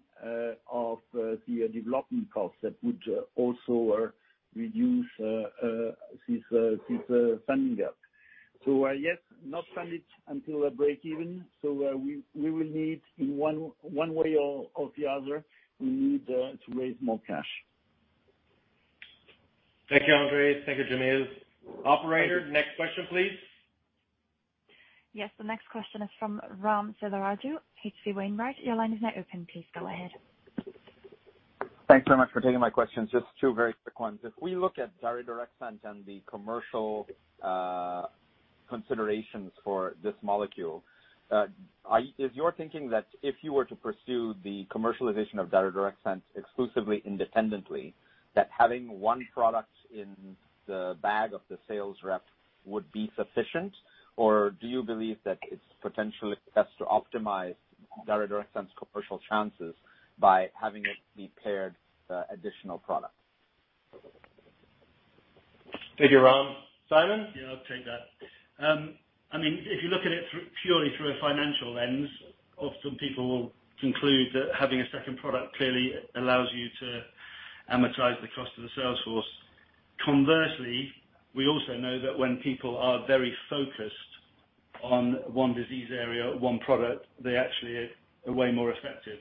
of the development costs that would also reduce this funding gap. Yes, not funded until break even. We will need, in one way or the other, we need to raise more cash. Thank you, André. Thank you, Jamil. Operator, next question, please. Yes, the next question is from Ram Selvaraju, H.C. Wainwright. Your line is now open. Please go ahead. Thanks very much for taking my questions. Just two very quick ones. If we look at daridorexant and the commercial considerations for this molecule, is your thinking that if you were to pursue the commercialization of daridorexant exclusively independently, that having one product in the bag of the sales rep would be sufficient? Do you believe that it's potentially best to optimize daridorexant's commercial chances by having it be paired with additional products? Thank you, Ram. Simon? Yeah, I'll take that. If you look at it purely through a financial lens, often people will conclude that having a second product clearly allows you to amortize the cost of the sales force. Conversely, we also know that when people are very focused on one disease area, one product, they actually are way more effective.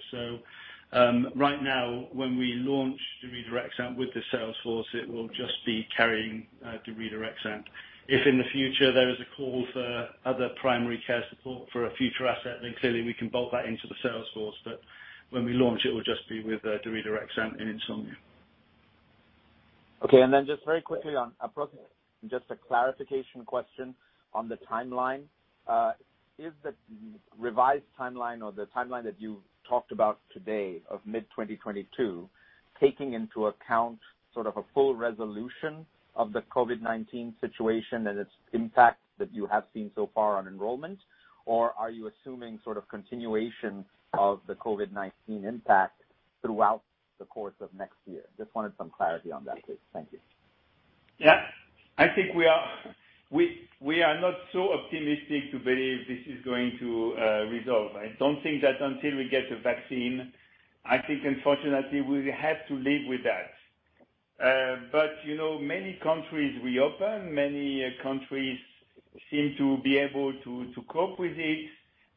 Right now, when we launch daridorexant with the sales force, it will just be carrying daridorexant. If in the future there is a call for other primary care support for a future asset, clearly we can build that into the sales force. When we launch, it will just be with daridorexant and insomnia. Okay. Just very quickly on approach and just a clarification question on the timeline. Is the revised timeline or the timeline that you talked about today of mid-2022 taking into account sort of a full resolution of the COVID-19 situation and its impact that you have seen so far on enrollment? Are you assuming sort of continuation of the COVID-19 impact throughout the course of next year? Just wanted some clarity on that, please. Thank you. Yeah. I think we are not so optimistic to believe this is going to resolve. I don't think that until we get a vaccine, I think unfortunately we have to live with that. Many countries reopen, many countries seem to be able to cope with it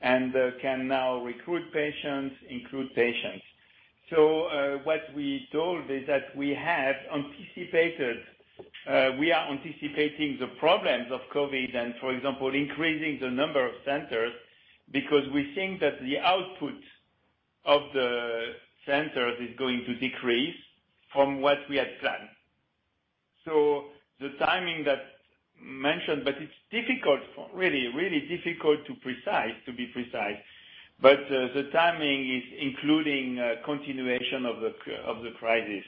and can now recruit patients, include patients. What we told is that we are anticipating the problems of COVID and, for example, increasing the number of centers because we think that the output of the centers is going to decrease from what we had planned. The timing that mentioned, it's difficult, really difficult to be precise. The timing is including continuation of the crisis.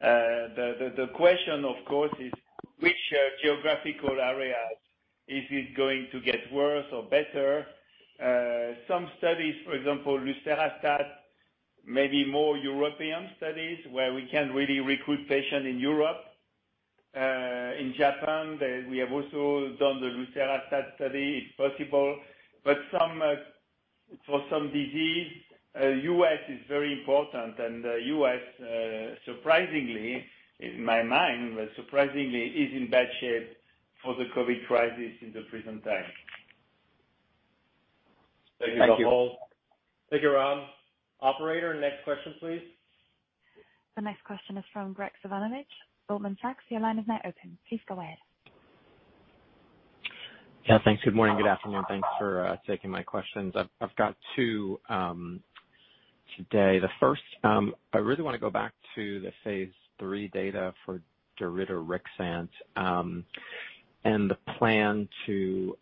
The question, of course, is which geographical areas is it going to get worse or better? Some studies, for example, lucerastat, maybe more European studies where we can't really recruit patients in Europe. In Japan, we have also done the lucerastat study. It's possible. For some disease, U.S. is very important. U.S. surprisingly, in my mind, but surprisingly, is in bad shape for the COVID crisis in the present time. Thank you, Ram. Operator, next question, please. The next question is from Graig Suvannavejh, Goldman Sachs. Your line is now open. Please go ahead. Yeah, thanks. Good morning, good afternoon. Thanks for taking my questions. I've got two today. The first, I really want to go back to the phase III data for daridorexant, and the plan to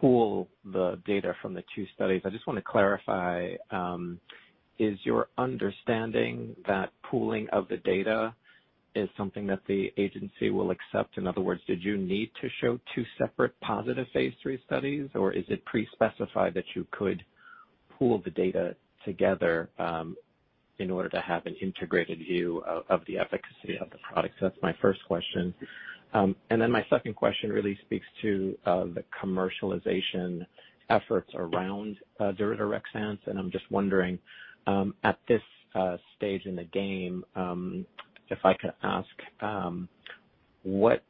pool the data from the two studies. I just want to clarify, is your understanding that pooling of the data is something that the agency will accept? In other words, did you need to show two separate positive phase III studies, or is it pre-specified that you could pool the data together in order to have an integrated view of the efficacy of the product? That's my first question. My second question really speaks to the commercialization efforts around daridorexant. I'm just wondering, at this stage in the game, if I could ask, what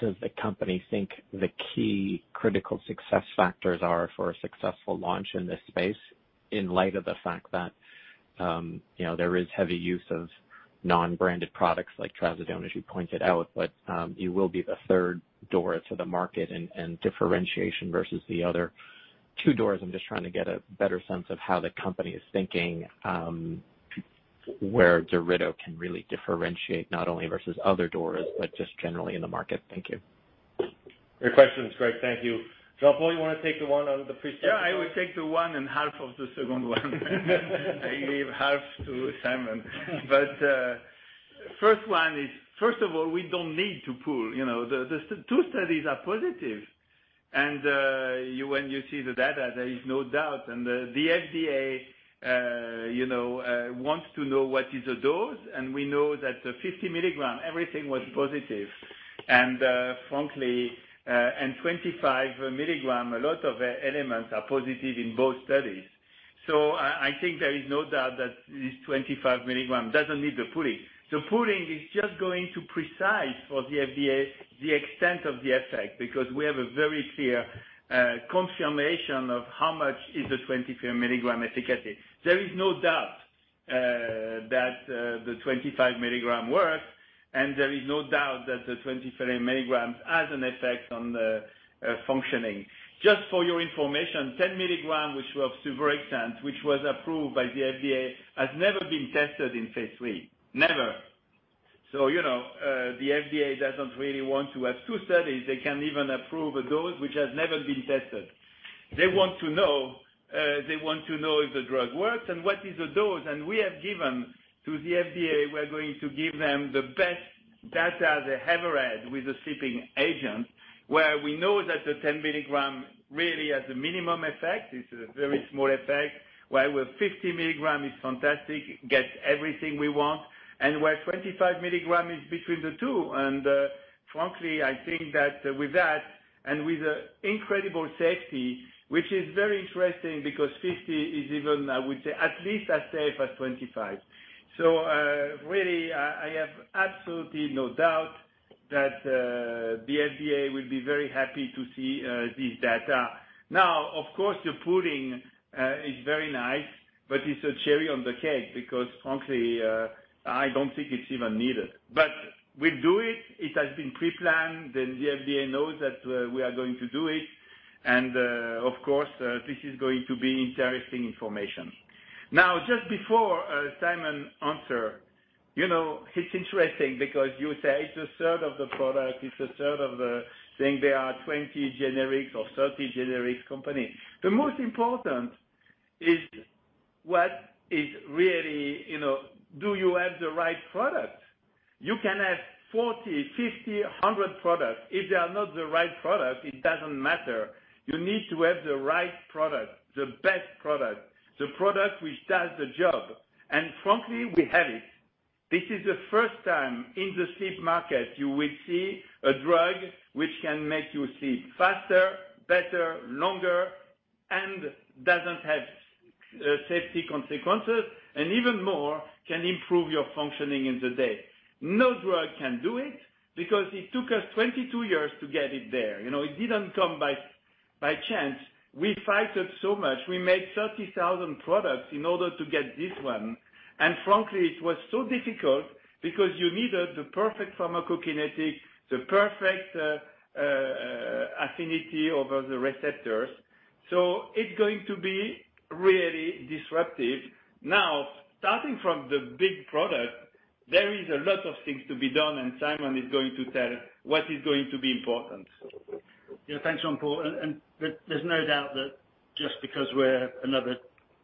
does the company think the key critical success factors are for a successful launch in this space, in light of the fact that there is heavy use of non-branded products like trazodone, as you pointed out. You will be the third DORA to the market and differentiation versus the other two DORAs. I'm just trying to get a better sense of how the company is thinking where Darido can really differentiate, not only versus other DORAs, but just generally in the market. Thank you. Great questions, Graig. Thank you. Jean-Paul, you want to take the one on the pre-spec? Yeah, I will take the one and half of the second one. I give half to Simon. First one is, first of all, we don't need to pool. The two studies are positive. When you see the data, there is no doubt. The FDA wants to know what is the dose, and we know that 50 mgs, everything was positive. Frankly, in 25 mgs, a lot of elements are positive in both studies. I think there is no doubt that this 25 milligrams doesn't need the pooling. The pooling is just going to precise for the FDA the extent of the effect, because we have a very clear confirmation of how much is the 25 mg efficacy. There is no doubt. The 25 milligram works, and there is no doubt that the 25 mgs has an effect on the functioning. Just for your information, 10 mgs, which was suvorexant, which was approved by the FDA, has never been tested in phase III. Never. The FDA doesn't really want to have two studies. They can even approve a dose which has never been tested. They want to know if the drug works and what is the dose, and we have given to the FDA, we are going to give them the best data they have read with the sleeping agent, where we know that the 10 mg really has a minimum effect. It's a very small effect. While with 50 mg is fantastic, gets everything we want. While 25 mg is between the two, and frankly, I think that with that and with incredible safety, which is very interesting because 50 is even, I would say, at least as safe as 25. Really, I have absolutely no doubt that the FDA will be very happy to see this data. Of course, the pooling is very nice, but it's a cherry on the cake because frankly, I don't think it's even needed. We'll do it. It has been pre-planned, and the FDA knows that we are going to do it. Of course, this is going to be interesting information. Just before Simon answer, it's interesting because you say it's a third of the product, it's a third of the thing. There are 20 generics or 30 generics company. The most important is what is really, do you have the right product? You can have 40, 50, 100 products. If they are not the right product, it doesn't matter. You need to have the right product, the best product, the product which does the job. Frankly, we have it. This is the first time in the sleep market you will see a drug which can make you sleep faster, better, longer and doesn't have safety consequences, and even more, can improve your functioning in the day. No drug can do it because it took us 22 years to get it there. It didn't come by chance. We fought it so much. We made 30,000 products in order to get this one. Frankly, it was so difficult because you needed the perfect pharmacokinetic, the perfect affinity over the receptors. It's going to be really disruptive. Now, starting from the big product, there is a lot of things to be done, and Simon is going to tell what is going to be important. Thanks, Jean-Paul. There's no doubt that just because we're another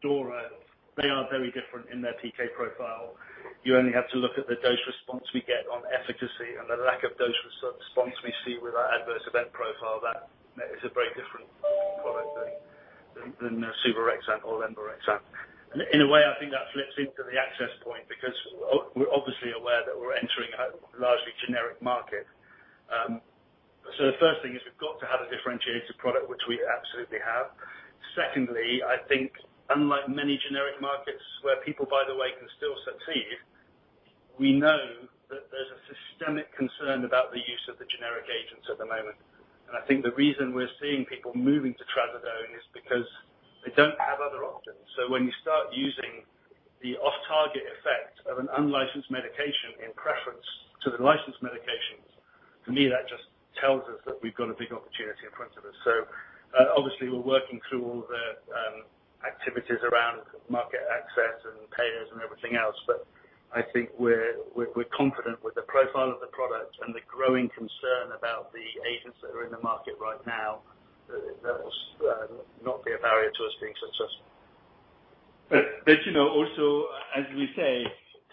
DORA, they are very different in their PK profile. You only have to look at the dose response we get on efficacy and the lack of dose response we see with our adverse event profile. That is a very different product than suvorexant or lemborexant. In a way, I think that flips into the access point because we're obviously aware that we're entering a largely generic market. The first thing is we've got to have a differentiated product, which we absolutely have. Secondly, I think unlike many generic markets where people, by the way, can still succeed, we know that there's a systemic concern about the use of the generic agents at the moment. I think the reason we're seeing people moving to trazodone is because they don't have other options. When you start using the off-target effect of an unlicensed medication in preference to the licensed medications, to me, that just tells us that we've got a big opportunity in front of us. Obviously, we're working through all the activities around market access and payers and everything else, but I think we're confident with the profile of the product and the growing concern about the agents that are in the market right now. That will not be a barrier to us being successful. Also as we say,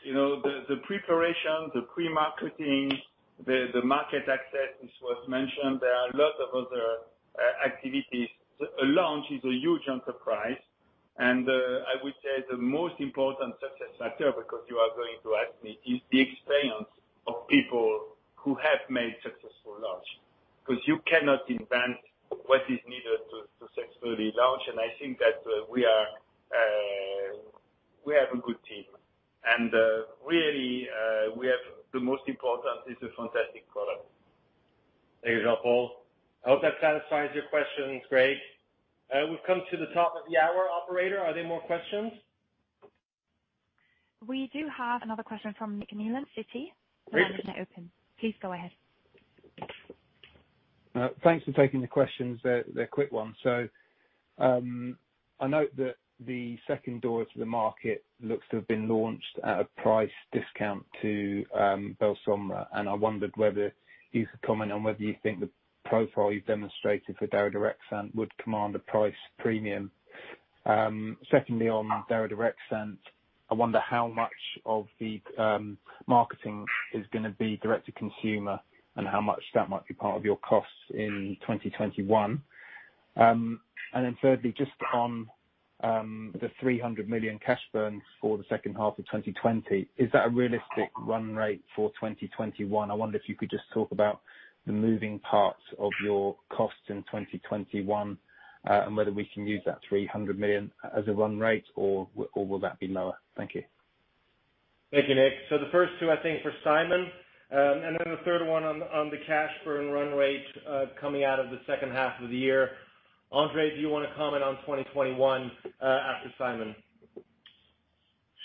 the preparation, the pre-marketing, the market access, this was mentioned, there are a lot of other activities. A launch is a huge enterprise, and I would say the most important success factor, because you are going to ask me, is the experience of people who have made successful launch. You cannot invent what is needed to successfully launch. I think that we have a good team, and really, we have the most important, it's a fantastic product. Thank you, Jean-Paul. I hope that satisfies your questions, Graig. We've come to the top of the hour operator, are there more questions? We do have another question from Nick Nieland from Citi. Great. The line is now open. Please go ahead. Thanks for taking the questions. They're quick ones. I note that the second DORA to the market looks to have been launched at a price discount to BELSOMRA, and I wondered whether you could comment on whether you think the profile you've demonstrated for daridorexant would command a price premium. Secondly, on daridorexant, I wonder how much of the marketing is going to be direct to consumer and how much that might be part of your costs in 2021. Thirdly, just on the 300 million cash burns for the second half of 2020, is that a realistic run rate for 2021? I wonder if you could just talk about the moving parts of your costs in 2021, and whether we can use that 300 million as a run rate or will that be lower? Thank you. Thank you, Nick. The first two, I think, for Simon, and then the third one on the cash burn run rate, coming out of the second half of the year. André, do you want to comment on 2021 after Simon?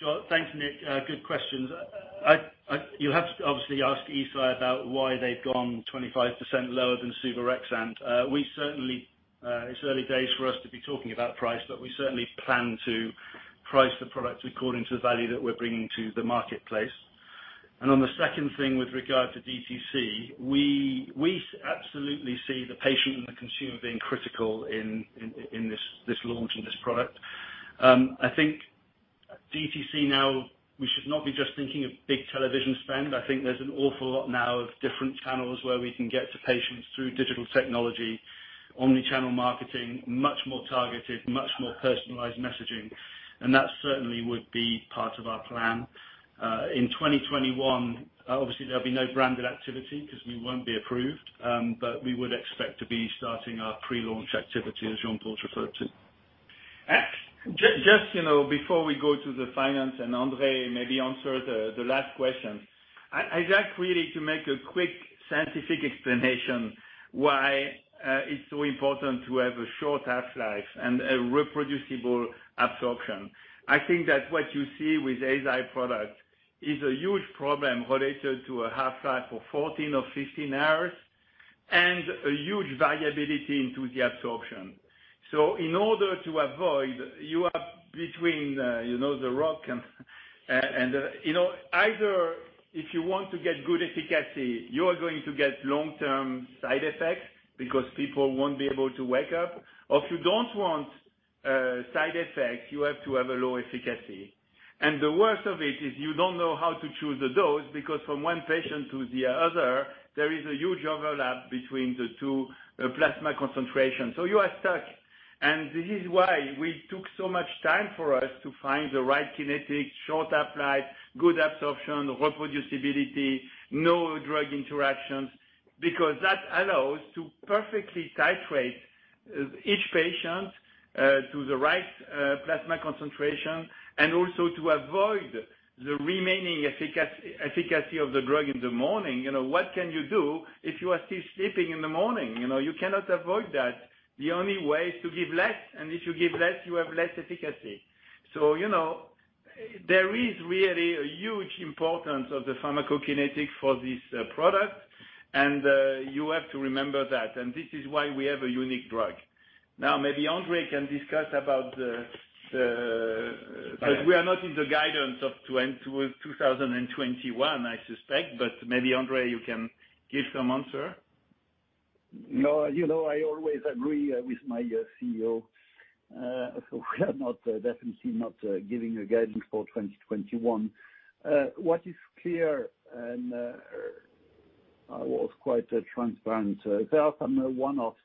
Sure. Thanks, Nick. Good questions. You have to obviously ask Eisai about why they've gone 25% lower than Suvorexant. It's early days for us to be talking about price, we certainly plan to price the product according to the value that we're bringing to the marketplace. On the second thing with regard to DTC, we absolutely see the patient and the consumer being critical in this launch and this product. I think DTC now, we should not be just thinking of big television spend. I think there's an awful lot now of different channels where we can get to patients through digital technology, omni-channel marketing, much more targeted, much more personalized messaging, and that certainly would be part of our plan. In 2021, obviously, there'll be no branded activity because we won't be approved. We would expect to be starting our pre-launch activity as Jean-Paul's referred to. Just before we go to the finance and André maybe answer the last question, I'd like really to make a quick scientific explanation why it's so important to have a short half-life and a reproducible absorption. I think that what you see with Eisai product is a huge problem related to a half-life of 14 hours or 15 hours and a huge variability into the absorption. In order to avoid, you are between the rock and a hard place if you want to get good efficacy, you are going to get long-term side effects because people won't be able to wake up. If you don't want side effects, you have to have a low efficacy. The worst of it is you don't know how to choose a dose because from one patient to the other, there is a huge overlap between the two plasma concentration. You are stuck. This is why we took so much time for us to find the right kinetic, short half-life, good absorption, reproducibility, no drug interactions, because that allows to perfectly titrate each patient to the right plasma concentration and also to avoid the remaining efficacy of the drug in the morning. What can you do if you are still sleeping in the morning? You cannot avoid that. The only way is to give less, and if you give less, you have less efficacy. There is really a huge importance of the pharmacokinetics for this product, and you have to remember that. This is why we have a unique drug. Now, maybe André can discuss. Because we are not in the guidance of 2021, I suspect, but maybe André, you can give some answer. No, I always agree with my CEO. We are definitely not giving a guidance for 2021. What is clear and what was quite transparent, there are some one-offs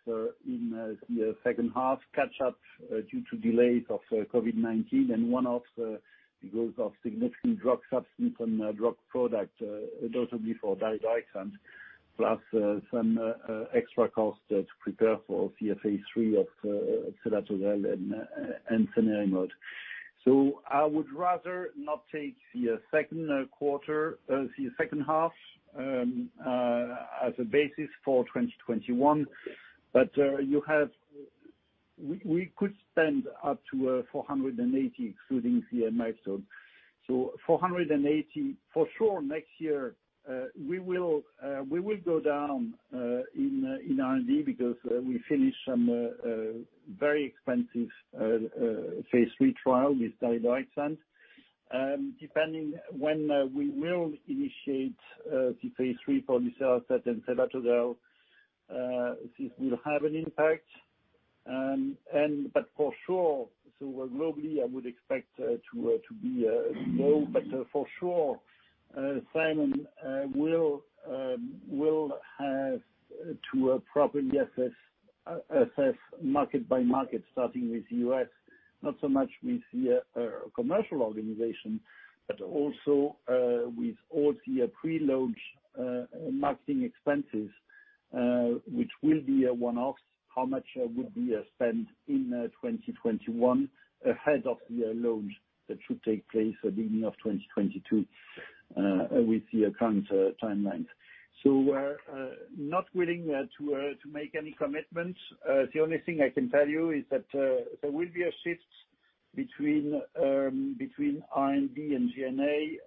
in the second half catch up due to delays of COVID-19 and one-offs because of significant drug substance and drug product. Those will be for Daridorexant plus some extra costs to prepare for the phase III of selatogrel and cenerimod. I would rather not take the second quarter, the second half, as a basis for 2021. We could spend up to 480, excluding key milestone. 480 for sure next year, we will go down in R&D because we finish some very expensive phase III trial with Daridorexant. Depending when we will initiate the phase III for cenerimod and selatogrel, this will have an impact. For sure, globally, I would expect to be low, but for sure, Simon will have to properly assess market by market, starting with U.S. Not so much with the commercial organization, but also with all the pre-launch marketing expenses, which will be a one-off, how much would we spend in 2021 ahead of the launch that should take place at beginning of 2022 with the current timelines. We're not willing to make any commitments. The only thing I can tell you is that there will be a shift between R&D and G&A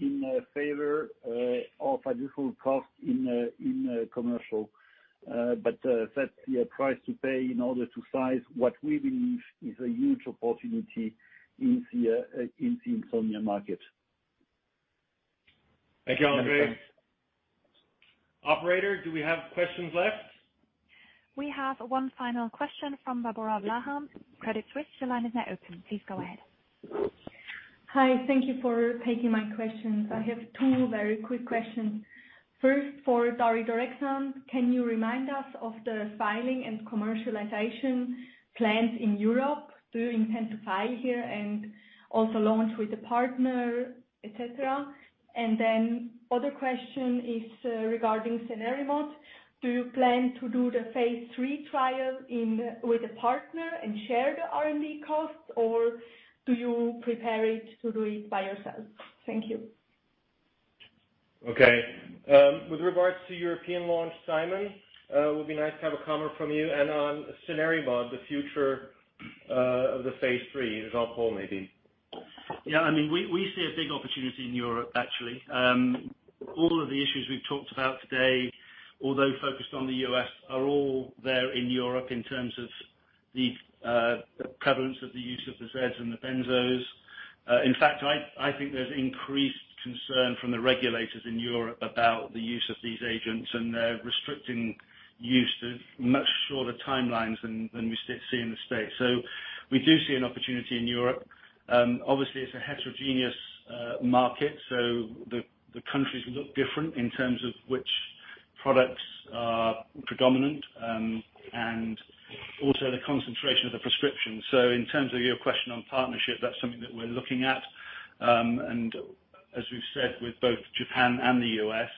in favor of additional costs in commercial. That's the price to pay in order to size what we believe is a huge opportunity in the insomnia market. Thank you, André. Operator, do we have questions left? We have one final question from Barbora Blaha, Credit Suisse. Your line is now open. Please go ahead. Hi. Thank you for taking my questions. I have two very quick questions. First, for daridorexant, can you remind us of the filing and commercialization plans in Europe? Do you intend to file here and also launch with a partner, et cetera? Other question is regarding cenerimod. Do you plan to do the phase III trial with a partner and share the R&D costs, or do you prepare it to do it by yourself? Thank you. Okay. With regards to European launch, Simon, it would be nice to have a comment from you. On cenerimod, the future of the phase III, Jean-Paul, maybe. We see a big opportunity in Europe, actually. All of the issues we've talked about today, although focused on the U.S., are all there in Europe in terms of the prevalence of the use of the Zs and the benzos. In fact, I think there's increased concern from the regulators in Europe about the use of these agents, and they're restricting use to much shorter timelines than we see in the States. We do see an opportunity in Europe. Obviously, it's a heterogeneous market, so the countries look different in terms of which products are predominant, and also the concentration of the prescription. In terms of your question on partnership, that's something that we're looking at. As we've said, with both Japan and the U.S.,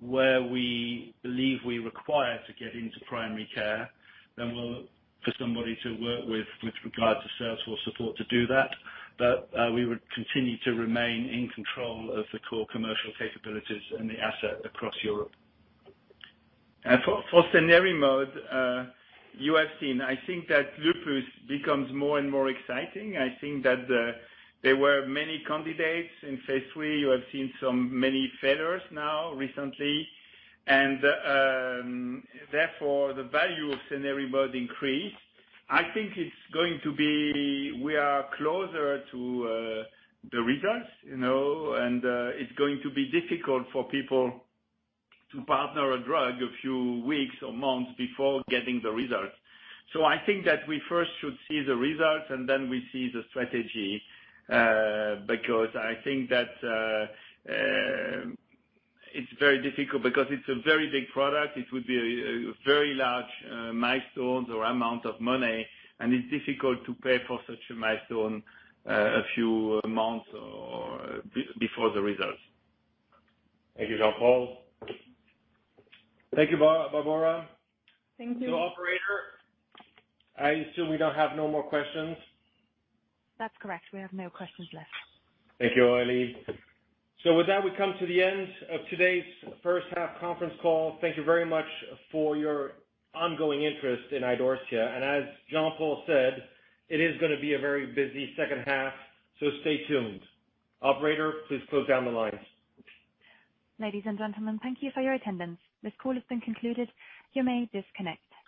where we believe we require to get into primary care, then we'll look for somebody to work with regard to sales force support to do that. We would continue to remain in control of the core commercial capabilities and the asset across Europe. For cenerimod, you have seen, I think that lupus becomes more and more exciting. I think that there were many candidates in phase III. You have seen some many failures now recently, and therefore, the value of cenerimod increased. I think we are closer to the results, and it's going to be difficult for people to partner a drug a few weeks or months before getting the results. I think that we first should see the results, and then we see the strategy, because I think that it's very difficult because it's a very big product. It would be a very large milestones or amount of money, and it's difficult to pay for such a milestone a few months or before the results. Thank you, Jean-Paul. Thank you, Barbora. Thank you. Operator, I assume we don't have no more questions. That's correct. We have no questions left. Thank you, Ali. With that, we come to the end of today's first half conference call. Thank you very much for your ongoing interest in Idorsia. As Jean-Paul said, it is going to be a very busy second half, stay tuned. Operator, please close down the lines. Ladies and gentlemen, thank you for your attendance. This call has been concluded. You may disconnect.